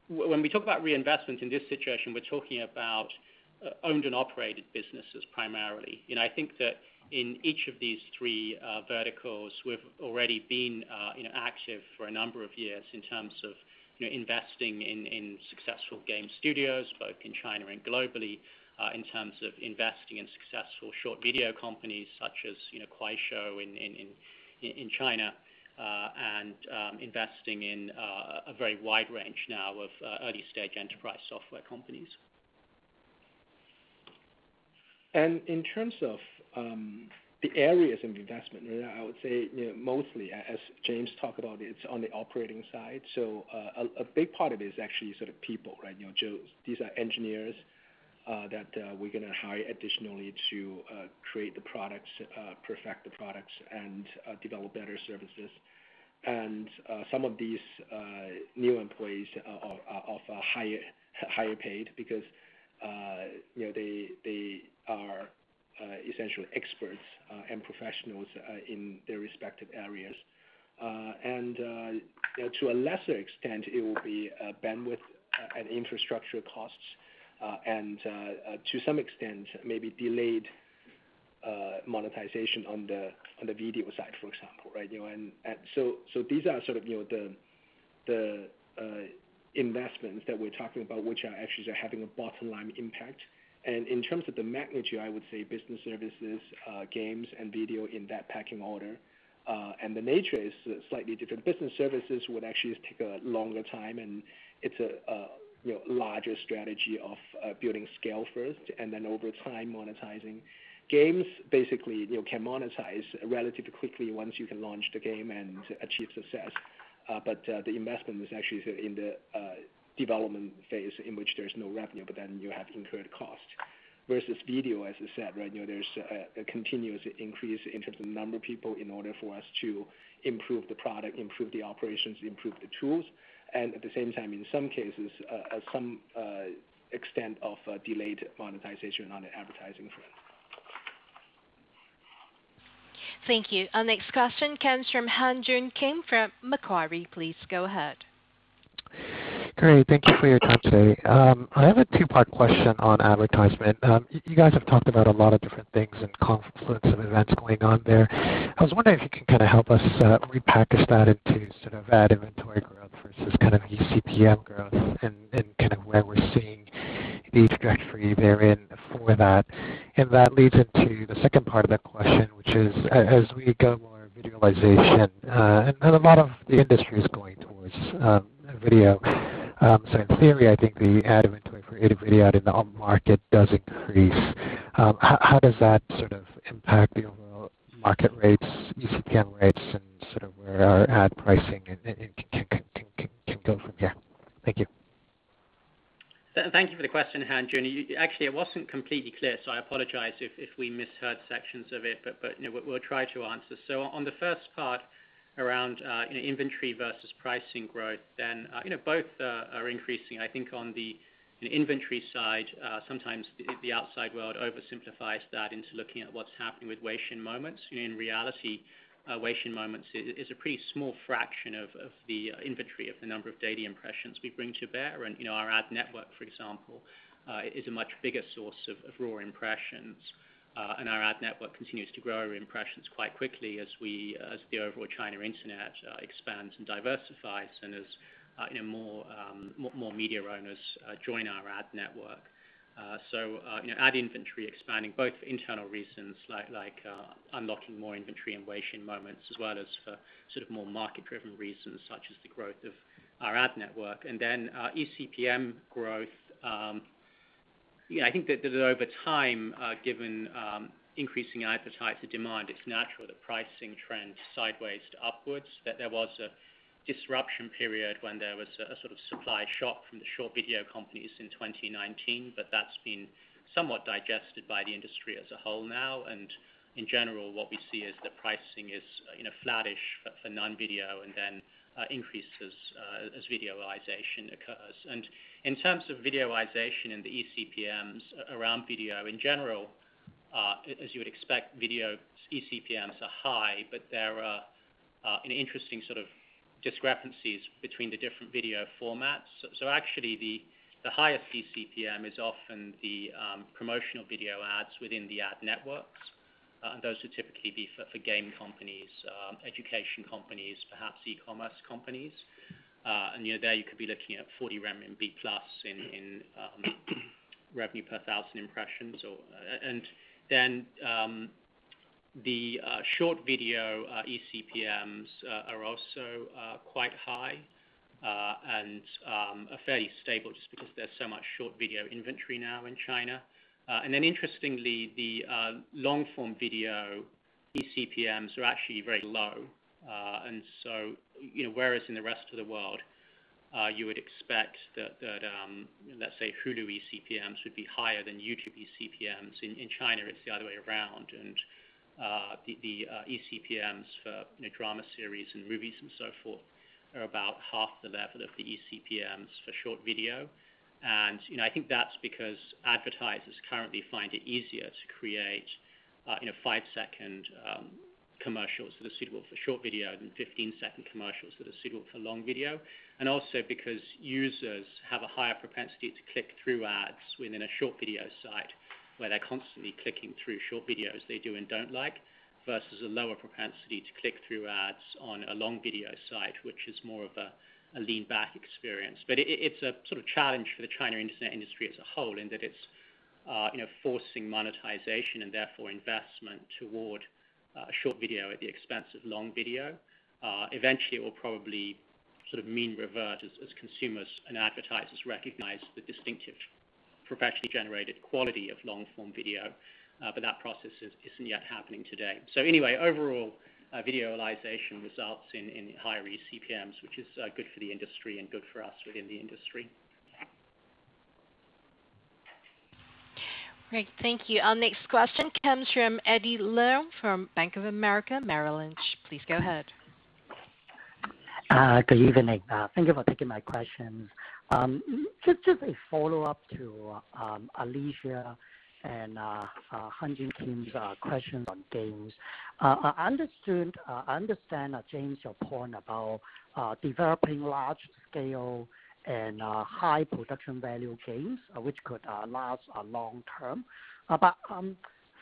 When we talk about reinvestment in this situation, we're talking about owned and operated businesses primarily. I think that in each of these three verticals, we've already been active for a number of years in terms of investing in successful game studios, both in China and globally, in terms of investing in successful short video companies such as Kuaishou in China, and investing in a very wide range now of early-stage enterprise software companies. In terms of the areas of investment, I would say mostly, as James talked about, it's on the operating side. A big part of it is actually people. These are engineers that we're going to hire additionally to create the products, perfect the products, and develop better services. Some of these new employees are of a higher pay because they are essentially experts and professionals in their respective areas. To a lesser extent, it will be bandwidth and infrastructure costs, and to some extent, maybe delayed monetization on the video side, for example. These are sort of the investments that we're talking about, which are actually having a bottom-line impact. In terms of the magnitude, I would say business services, games, and video in that pecking order. The nature is slightly different. Business services would actually take a longer time, and it's a larger strategy of building scale first and then over time, monetizing. Games, basically, can monetize relatively quickly once you can launch the game and achieve success. The investment is actually in the development phase in which there's no revenue, but then you have some incurred cost. Versus video, as I said, there's a continuous increase in terms of the number of people in order for us to improve the product, improve the operations, improve the tools, and at the same time, in some cases, some extent of delayed monetization on the advertising front. Thank you. Our next question comes from Han Joon Kim from Macquarie. Please go ahead. Great. Thank you for your time today. I have a two-part question on advertisement. You guys have talked about a lot of different things and confluence of events going on there. I was wondering if you could help us repackage that into ad inventory growth versus kind of eCPM growth and where we're seeing the trajectory variance for that. That leads into the second part of the question, which is as we go more videoization, and a lot of the industry is going towards video. In theory, I think the ad inventory for creative video in the market does increase. How does that sort of impact the overall market rates, eCPM rates, and sort of where our ad pricing can go from here? Thank you. Thank you for the question, Han Joon. It wasn't completely clear, so I apologize if we misheard sections of it, but we'll try to answer. On the first part around inventory versus pricing growth, both are increasing. I think on the inventory side, sometimes the outside world oversimplifies that into looking at what's happening with Weixin Moments. In reality, Weixin Moments is a pretty small fraction of the inventory of the number of daily impressions we bring to bear. Our ad network, for example, is a much bigger source of raw impressions. Our ad network continues to grow impressions quite quickly as the overall China Internet expands and diversifies and as more media owners join our ad network. Ad inventory expanding both for internal reasons like unlocking more inventory in Weixin Moments, as well as for sort of more market-driven reasons such as the growth of our ad network. eCPM growth, yeah, I think that over time, given increasing appetite for demand, it's natural that pricing trends sideways to upwards, that there was a disruption period when there was a sort of supply shock from the short video companies in 2019, but that's been somewhat digested by the industry as a whole now. In general, what we see is that pricing is flattish for non-video and then increases as videoization occurs. In terms of videoization and the eCPMs around video in general, as you expect, video eCPMs are high, but there are interesting discrepancies between the different video formats. Actually, the highest eCPM is often the promotional video ads within the ad networks. Those are typically for game companies, education companies, perhaps e-commerce companies. There you could be looking at 40 RMB plus in revenue per thousand impressions. The short video eCPMs are also quite high and are fairly stable just because there's so much short video inventory now in China. Interestingly, the long-form video eCPMs are actually very low. Whereas in the rest of the world, you would expect that, let's say, Hulu eCPMs would be higher than YouTube eCPMs. In China, it's the other way around, and the eCPMs for drama series and movies and so forth are about half the level of the eCPMs for short video. I think that's because advertisers currently find it easier to create five-second commercials that are suitable for short video than 15-second commercials that are suitable for long video. Also because users have a higher propensity to click through ads within a short video site where they're constantly clicking through short videos they do and don't like, versus a lower propensity to click through ads on a long video site, which is more of a lean-back experience. It's a sort of challenge for the China internet industry as a whole in that it's forcing monetization and therefore investment toward short video at the expense of long video. Eventually, it will probably sort of mean revert as consumers and advertisers recognize the distinctive professionally generated quality of long-form video. That process isn't yet happening today. Anyway, overall, videoization results in higher eCPMs, which is good for the industry and good for us within the industry. Great. Thank you. Our next question comes from Eddie Leung from Bank of America Merrill Lynch. Please go ahead. Good evening. Thank you for taking my questions. Just a follow-up to Alicia and Han Joon Kim's questions on games. I understand, James, your point about developing large-scale and high production value games, which could last a long term.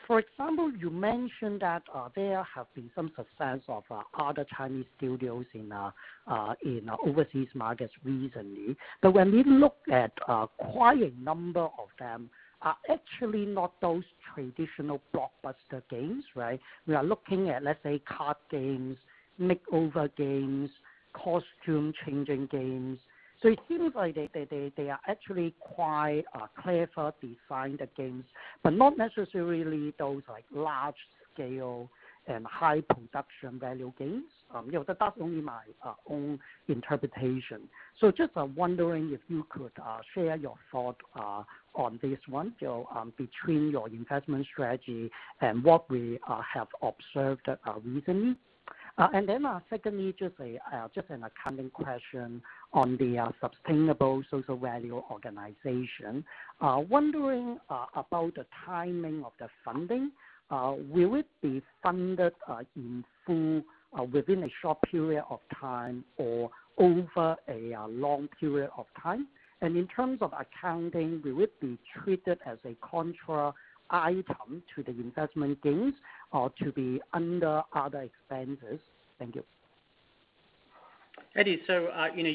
For example, you mentioned that there have been some success of other Chinese studios in overseas markets recently, when we look at quite a number of them, are actually not those traditional blockbuster games, right? We are looking at, let's say, card games, makeover games, costume changing games. It seems like they are actually quite cleverly designed games, not necessarily those large-scale and high production value games. That's only my own interpretation. Just wondering if you could share your thought on this one, between your investment strategy and what we have observed recently. Secondly, just an accounting question on the Sustainable Social Value Organisation. Wondering about the timing of the funding. Will it be funded in full within a short period of time or over a long period of time? In terms of accounting, will it be treated as a contra item to the investment gains or to be under other expenses? Thank you. Eddie,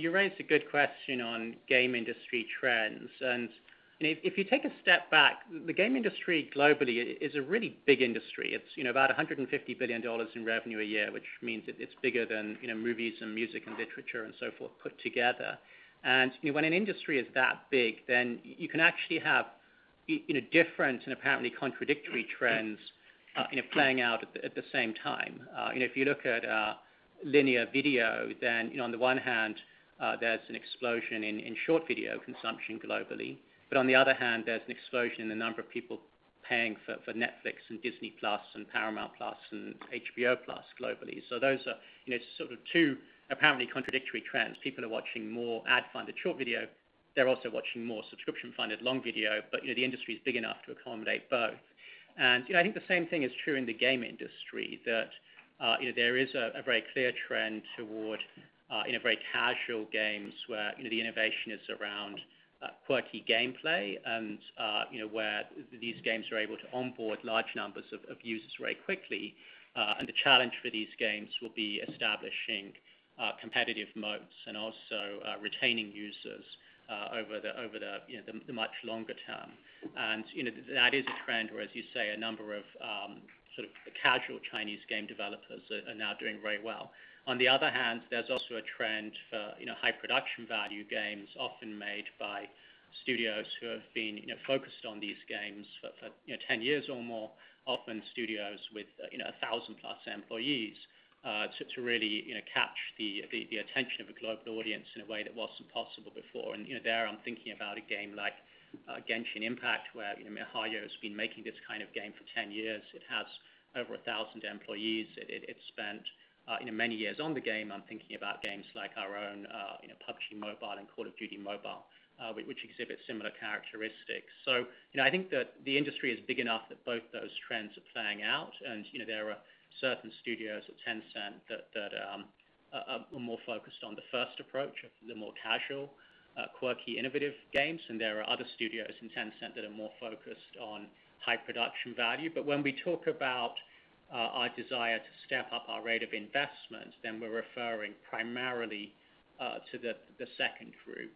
you raised a good question on game industry trends. If you take a step back, the game industry globally is a really big industry. It's about $150 billion in revenue a year, which means that it's bigger than movies and music and literature and so forth put together. When an industry is that big, then you can actually have different and apparently contradictory trends playing out at the same time. If you look at linear video, then on the one hand, there's an explosion in short video consumption globally. On the other hand, there's an explosion in the number of people paying for Netflix and Disney+ and Paramount+ and HBO+ globally. Those are sort of two apparently contradictory trends. People are watching more ad-funded short video. They're also watching more subscription-funded long video, but the industry is big enough to accommodate both. I think the same thing is true in the game industry, that there is a very clear trend toward very casual games where the innovation is around quirky gameplay and where these games are able to onboard large numbers of users very quickly. The challenge for these games will be establishing competitive modes and also retaining users over the much longer term. That is a trend where, as you say, a number of sort of casual Chinese game developers are now doing very well. On the other hand, there's also a trend for high production value games often made by studios who have been focused on these games for 10 years or more, often studios with 1,000 plus employees, to really catch the attention of a global audience in a way that wasn't possible before. There I'm thinking about a game like Genshin Impact, where miHoYo has been making this kind of game for 10 years. It has over 1,000 employees. It's spent many years on the game. I'm thinking about games like our own PUBG MOBILE and Call of Duty Mobile, which exhibit similar characteristics. I think that the industry is big enough that both those trends are playing out, and there are certain studios at Tencent that are more focused on the first approach of the more casual, quirky, innovative games. There are other studios in Tencent that are more focused on high production value. When we talk about our desire to step up our rate of investment, we're referring primarily to the second group,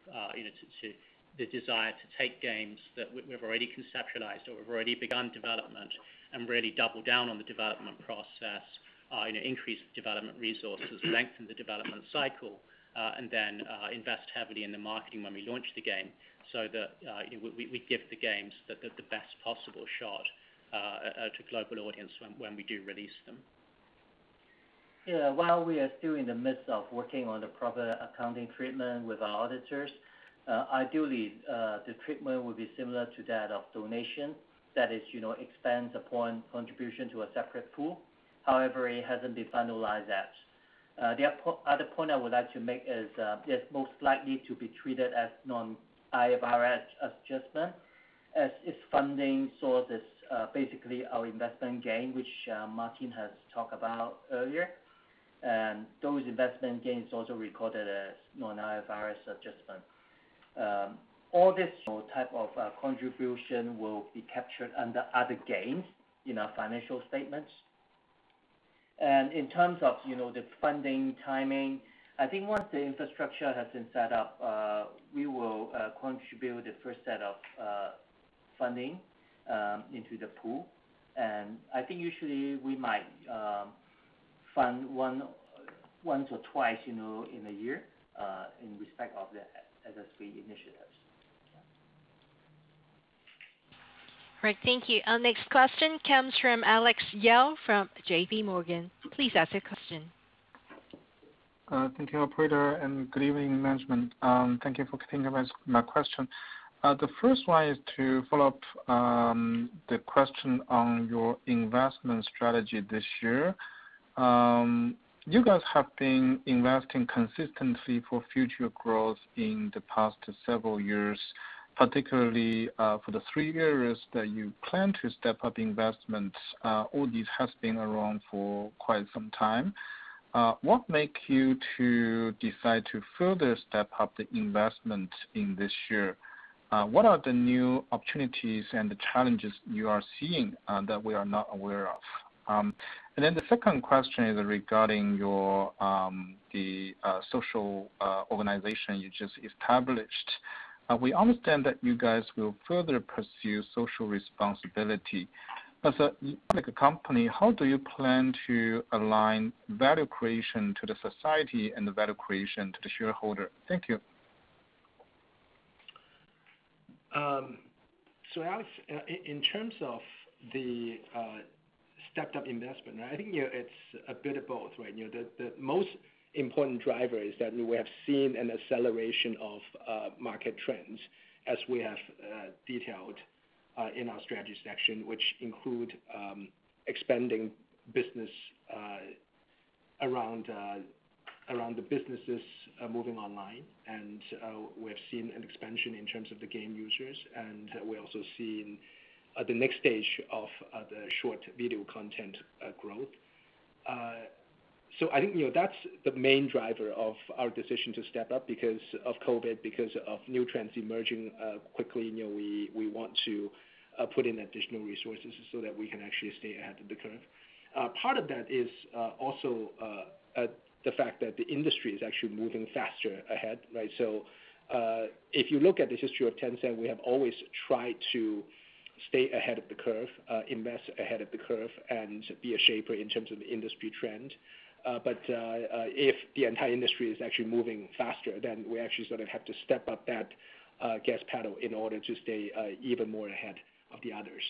to the desire to take games that we've already conceptualized or we've already begun development and really double down on the development process, increase development resources, lengthen the development cycle, invest heavily in the marketing when we launch the game so that we give the games the best possible shot at a global audience when we do release them. While we are still in the midst of working on the proper accounting treatment with our auditors, ideally, the treatment will be similar to that of donation. That is, expense upon contribution to a separate pool. However, it hasn't been finalized yet. The other point I would like to make is, it's most likely to be treated as non-IFRS adjustment, as its funding source is basically our investment gain, which Martin has talked about earlier. Those investment gains also recorded a non-IFRS adjustment. All this type of contribution will be captured under other gains in our financial statements. In terms of the funding timing, I think once the infrastructure has been set up, we will contribute the first set of funding into the pool. I think usually we might fund once or twice in a year, in respect of the SSV initiatives. Right. Thank you. Our next question comes from Alex Yao from JPMorgan. Please ask your question. Thank you, operator, good evening, Management. Thank you for taking my question. The first one is to follow up the question on your investment strategy this year. You guys have been investing consistently for future growth in the past several years, particularly for the three areas that you plan to step up investments. All these have been around for quite some time. What make you to decide to further step up the investment in this year? What are the new opportunities and the challenges you are seeing that we are not aware of? The second question is regarding the social organization you just established. We understand that you guys will further pursue social responsibility. As a public company, how do you plan to align value creation to the society and the value creation to the shareholder? Thank you. Alex, in terms of the stepped-up investment, I think it's a bit of both, right? The most important driver is that we have seen an acceleration of market trends, as we have detailed in our strategy section, which include expanding business around the businesses moving online. We have seen an expansion in terms of the game users, and we also seen the next stage of the short video content growth. I think that's the main driver of our decision to step up because of COVID-19, because of new trends emerging quickly. We want to put in additional resources so that we can actually stay ahead of the curve. Part of that is also the fact that the industry is actually moving faster ahead, right? If you look at the history of Tencent, we have always tried to stay ahead of the curve, invest ahead of the curve, and be a shaper in terms of industry trend. If the entire industry is actually moving faster, then we actually sort of have to step up that gas pedal in order to stay even more ahead of the others.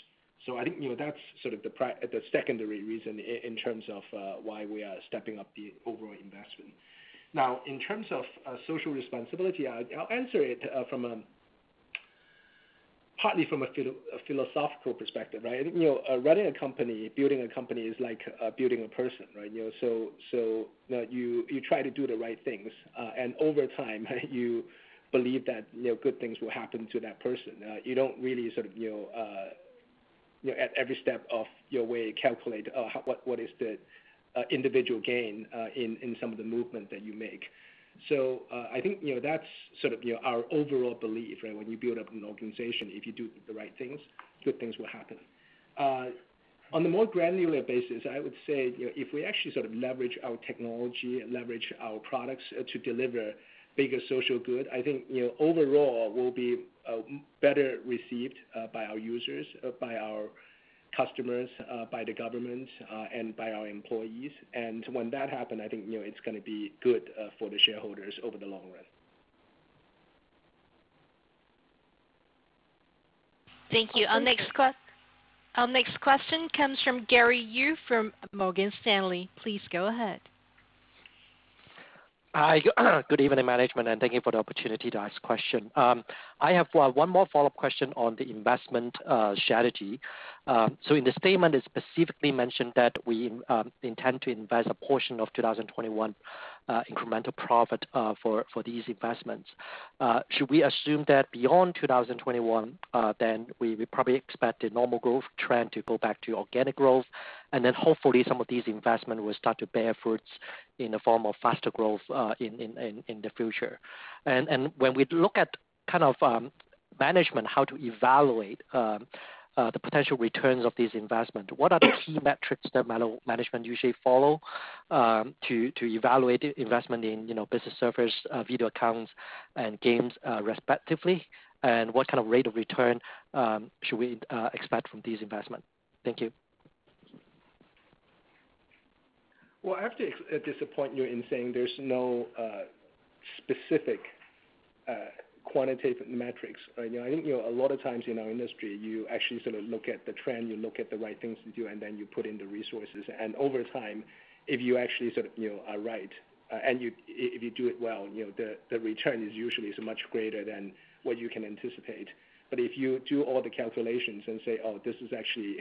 I think that's sort of the secondary reason in terms of why we are stepping up the overall investment. In terms of social responsibility, I'll answer it partly from a philosophical perspective, right? I think running a company, building a company is like building a person, right? You try to do the right things, and over time you believe that good things will happen to that person. You don't really sort of at every step of your way, calculate what is the individual gain in some of the movement that you make. I think that's sort of our overall belief, right? When you build up an organization, if you do the right things, good things will happen. On a more granular basis, I would say if we actually sort of leverage our technology and leverage our products to deliver bigger social good, I think overall we'll be better received by our users, by our customers, by the government, and by our employees. When that happen, I think it's going to be good for the shareholders over the long run. Thank you. Our next question comes from Gary Yu from Morgan Stanley. Please go ahead. Hi. Good evening, management, and thank you for the opportunity to ask question. I have one more follow-up question on the investment strategy. In the statement, it specifically mentioned that we intend to invest a portion of 2021 incremental profit for these investments. Should we assume that beyond 2021, then we probably expect a normal growth trend to go back to organic growth, and then hopefully some of these investment will start to bear fruits in the form of faster growth in the future. When we look at kind of management, how to evaluate the potential returns of this investment, what are the key metrics that management usually follow to evaluate investment in business service, Video Accounts and games respectively? What kind of rate of return should we expect from these investment? Thank you. Well, I have to disappoint you in saying there's no specific. quantitative metrics. I think a lot of times in our industry, you actually sort of look at the trend, you look at the right things to do, and then you put in the resources. Over time, if you actually are right, and if you do it well, the return is usually so much greater than what you can anticipate. If you do all the calculations and say, oh, this is actually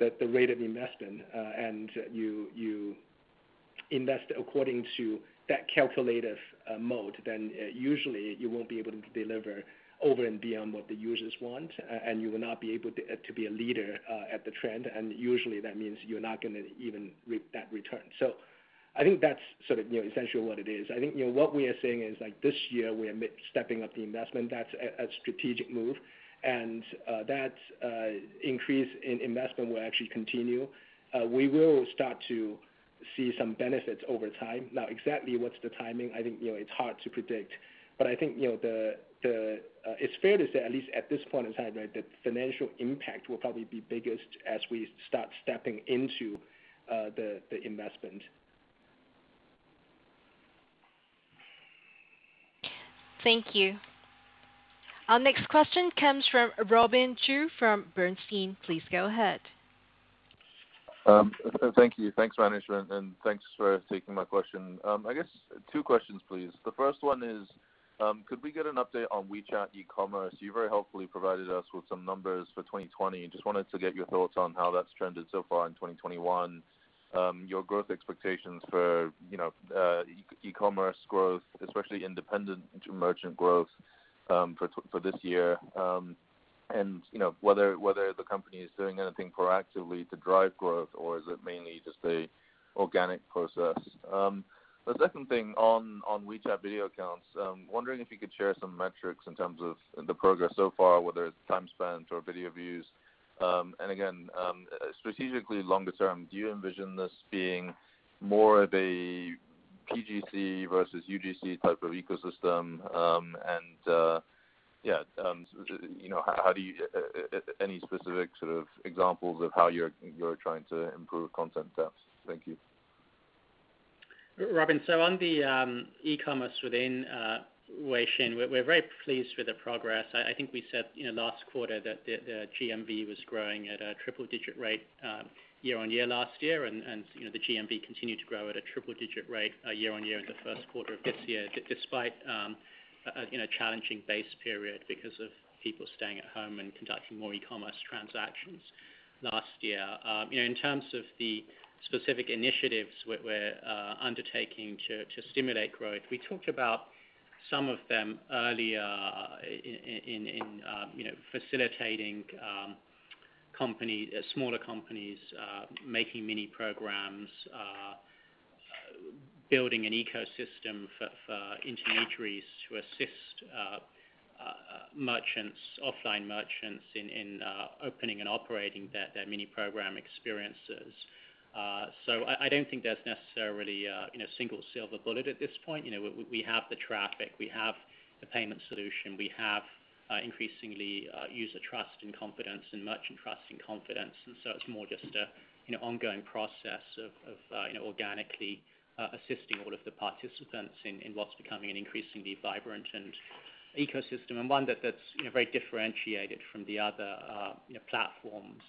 the rate of investment, and you invest according to that calculative mode, usually you won't be able to deliver over and beyond what the users want, and you will not be able to be a leader at the trend. Usually that means you're not going to even reap that return. I think that's essentially what it is. I think what we are saying is this year we are stepping up the investment. That's a strategic move, and that increase in investment will actually continue. We will start to see some benefits over time. Now, exactly what's the timing, I think it's hard to predict. I think it's fair to say, at least at this point in time, the financial impact will probably be biggest as we start stepping into the investment. Thank you. Our next question comes from Robin Zhu from Bernstein. Please go ahead. Thank you. Thanks, management, and thanks for taking my question. I guess two questions, please. The first one is could we get an update on WeChat ecommerce? You very helpfully provided us with some numbers for 2020. Just wanted to get your thoughts on how that's trended so far in 2021, your growth expectations for ecommerce growth, especially independent merchant growth for this year and whether the company is doing anything proactively to drive growth, or is it mainly just an organic process? The second thing on Weixin Video Accounts, wondering if you could share some metrics in terms of the progress so far, whether it's time spent or video views. Again, strategically longer term, do you envision this being more of a PGC versus UGC type of ecosystem? Any specific sort of examples of how you're trying to improve content there? Thank you. Robin, on the e-commerce within Weixin, we're very pleased with the progress. I think we said last quarter that the GMV was growing at a triple-digit rate year-on-year last year, and the GMV continued to grow at a triple-digit rate year-on-year in the first quarter of this year, despite a challenging base period because of people staying at home and conducting more e-commerce transactions last year. In terms of the specific initiatives we're undertaking to stimulate growth, we talked about some of them earlier in facilitating smaller companies making mini programs, building an ecosystem for intermediaries to assist merchants, offline merchants in opening and operating their mini program experiences. I don't think there's necessarily a single silver bullet at this point. We have the traffic, we have the payment solution, we have increasingly user trust and confidence and merchant trust and confidence. It's more just an ongoing process of organically assisting all of the participants in what's becoming an increasingly vibrant ecosystem and one that's very differentiated from the other platforms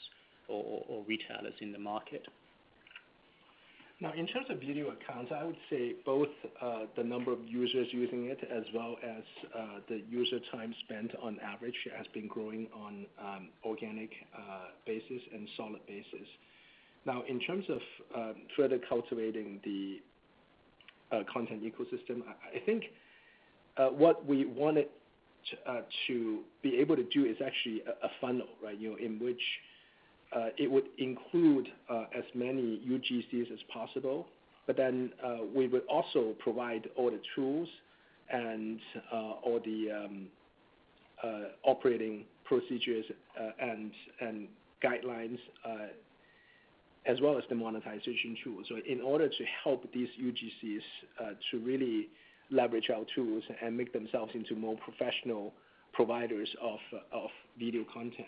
or retailers in the market. In terms of Video Accounts, I would say both the number of users using it as well as the user time spent on average has been growing on organic basis and solid basis. In terms of further cultivating the content ecosystem, I think what we wanted to be able to do is actually a funnel in which it would include as many UGCs as possible. We would also provide all the tools and all the operating procedures and guidelines, as well as the monetization tools in order to help these UGCs to really leverage our tools and make themselves into more professional providers of video content.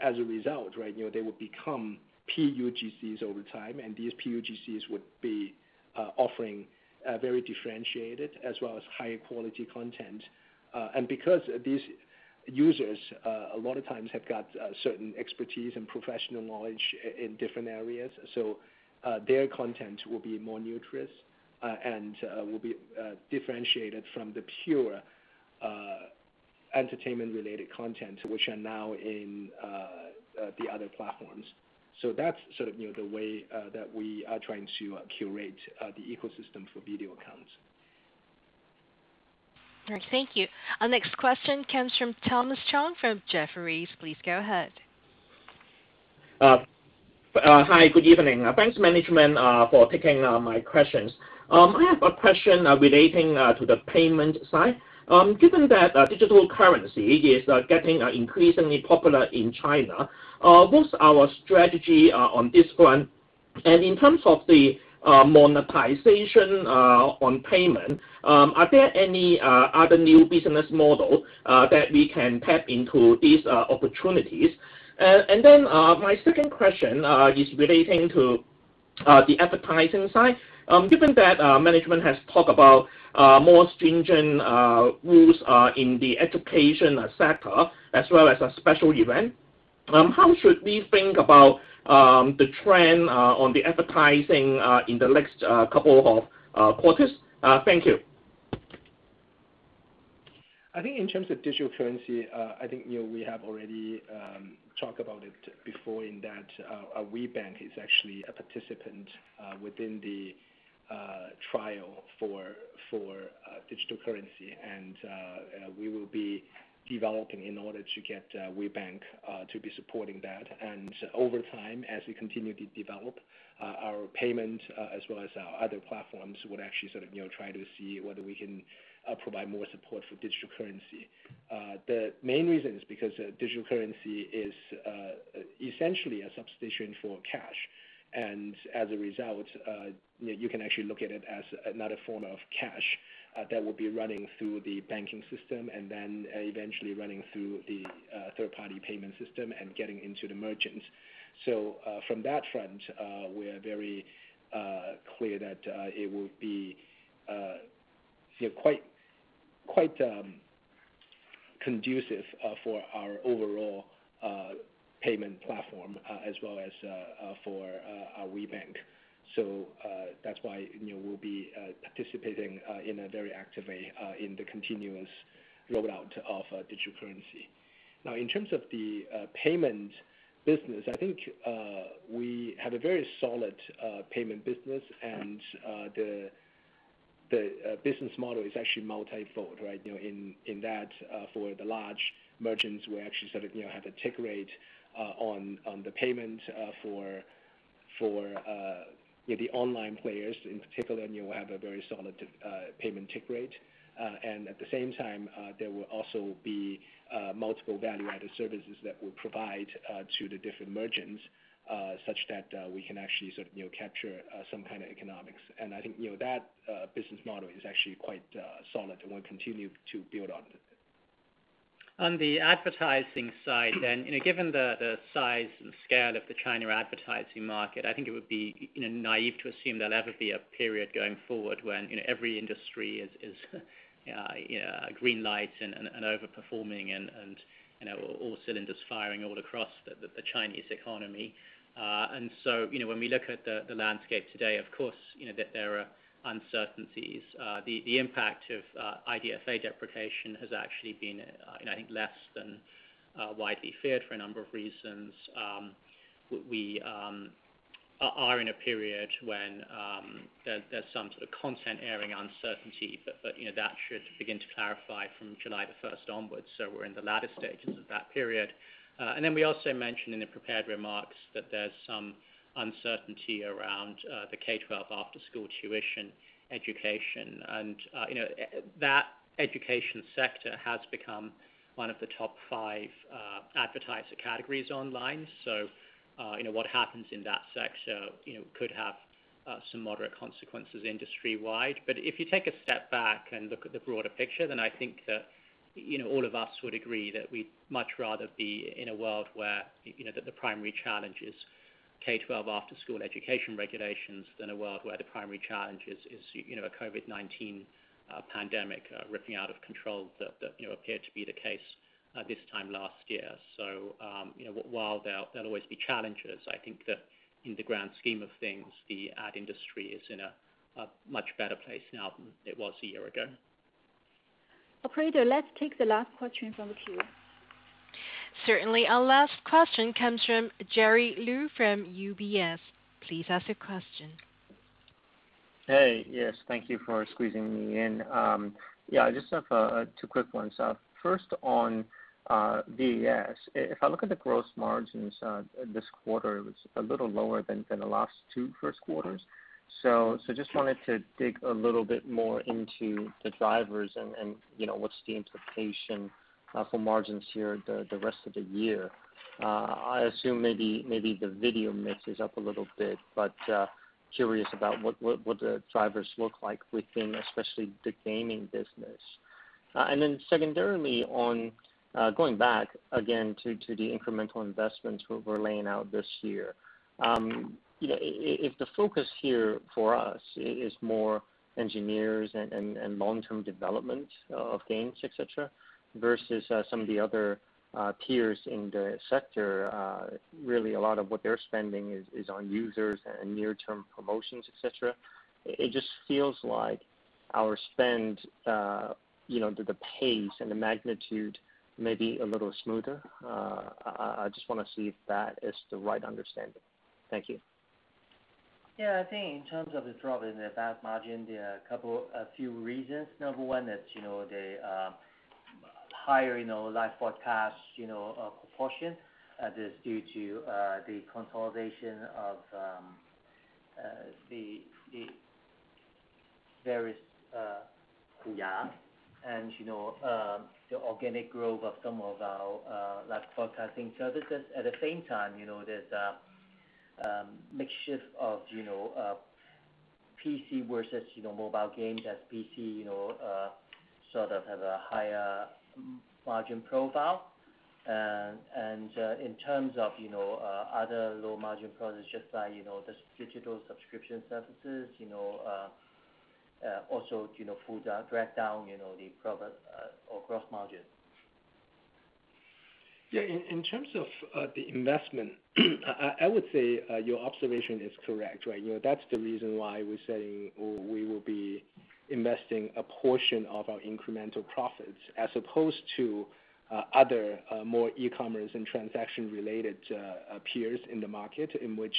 As a result, they will become PUGCs over time, and these PUGCs would be offering very differentiated as well as high-quality content. Because these users a lot of times have got certain expertise and professional knowledge in different areas, so their content will be more nutritious and will be differentiated from the pure entertainment-related content, which are now in the other platforms. That's sort of the way that we are trying to curate the ecosystem for Video Accounts. All right. Thank you. Our next question comes from Thomas Chong from Jefferies. Please go ahead. Hi, good evening. Thanks, management, for taking my questions. I have a question relating to the payment side. Given that digital currency is getting increasingly popular in China, what's our strategy on this one? In terms of the monetization on payment, are there any other new business model that we can tap into these opportunities? My second question is relating to the advertising side. Given that management has talked about more stringent rules in the education sector as well as a special event, how should we think about the trend on the advertising in the next couple of quarters? Thank you. I think in terms of digital currency, I think we have already talked about it before in that our WeBank is actually a participant within the trial for digital currency. We will be developing in order to get WeBank to be supporting that. Over time, as we continue to develop our payment, as well as our other platforms, would actually try to see whether we can provide more support for digital currency. The main reason is because digital currency is essentially a substitution for cash. As a result, you can actually look at it as another form of cash that will be running through the banking system and then eventually running through the third-party payment system and getting into the merchants. From that front, we are very clear that it would be quite conducive for our overall payment platform as well as for our WeBank. That's why we'll be participating in a very active way in the continuous rollout of digital currency. In terms of the payment business, I think we have a very solid payment business and the business model is actually multifold, right? In that, for the large merchants, we actually have a take rate on the payment for the online players in particular, and you have a very solid payment take rate. At the same time, there will also be multiple value-added services that we provide to the different merchants, such that we can actually capture some kind of economics. I think that business model is actually quite solid, and we'll continue to build on it. On the advertising side, given the size and scale of the China advertising market, I think it would be naive to assume there'll ever be a period going forward when every industry is green light and over-performing and all cylinders firing all across the Chinese economy. When we look at the landscape today, of course, that there are uncertainties. The impact of IDFA deprecation has actually been, I think, less than widely feared for a number of reasons. We are in a period when there's some sort of content airing uncertainty, but that should begin to clarify from July the 1st onwards. We're in the latter stages of that period. We also mentioned in the prepared remarks that there's some uncertainty around the K-12 after-school tuition education. That education sector has become one of the top five advertiser categories online. What happens in that sector could have some moderate consequences industry-wide. If you take a step back and look at the broader picture, then I think that all of us would agree that we'd much rather be in a world where the primary challenge is K-12 after-school education regulations than a world where the primary challenge is a COVID-19 pandemic ripping out of control that appeared to be the case this time last year. While there'll always be challenges, I think that in the grand scheme of things, the ad industry is in a much better place now than it was a year ago. Operator, let's take the last question from the queue. Certainly. Our last question comes from Jerry Liu from UBS. Please ask your question. Hey. Yes, thank you for squeezing me in. I just have two quick ones. First, on VAS, if I look at the gross margins this quarter, it was a little lower than the last two first quarters. Just wanted to dig a little bit more into the drivers and what's the implication for margins here the rest of the year. I assume maybe the video mix is up a little bit, but curious about what the drivers look like within especially the gaming business. Secondarily, on going back again to the incremental investments we're laying out this year. If the focus here for us is more engineers and long-term development of games, et cetera, versus some of the other peers in the sector, really a lot of what they're spending is on users and near-term promotions, et cetera. It just feels like our spend, the pace and the magnitude may be a little smoother. I just want to see if that is the right understanding. Thank you. Yeah, I think in terms of the drop in the VAS margin, there are a few reasons. Number one, that the higher live broadcast proportion that is due to the consolidation of the various. Yeah. The organic growth of some of our live broadcasting services. At the same time, there's a mix shift PC versus mobile games. That PC sort of have a higher margin profile. In terms of other low margin products, just like this digital subscription services also further drag down the profit or gross margin. Yeah. In terms of the investment, I would say your observation is correct. That's the reason why we're saying we will be investing a portion of our incremental profits as opposed to other more e-commerce and transaction-related peers in the market, in which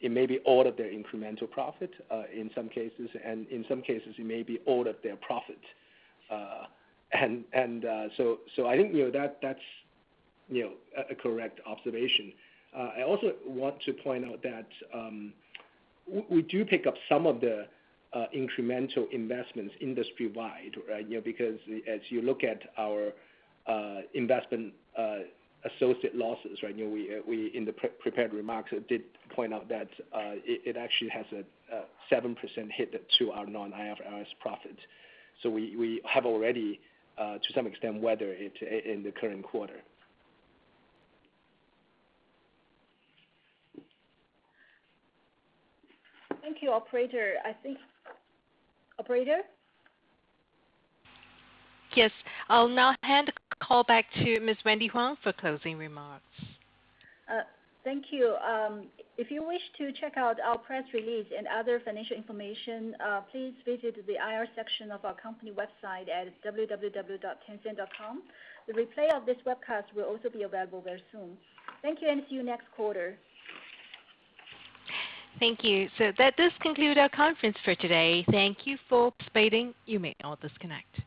it may be all of their incremental profit, in some cases, and in some cases, it may be all of their profit. I think that's a correct observation. I also want to point out that we do pick up some of the incremental investments industry-wide. As you look at our investment associate losses, we in the prepared remarks did point out that it actually has a 7% hit to our non-IFRS profit. We have already, to some extent, weathered it in the current quarter. Thank you. Operator, I think Operator? Yes. I'll now hand the call back to Ms. Wendy Huang for closing remarks. Thank you. If you wish to check out our press release and other financial information, please visit the IR section of our company website at www.tencent.com. The replay of this webcast will also be available very soon. Thank you, and see you next quarter. Thank you. That does conclude our conference for today. Thank you for participating. You may all disconnect.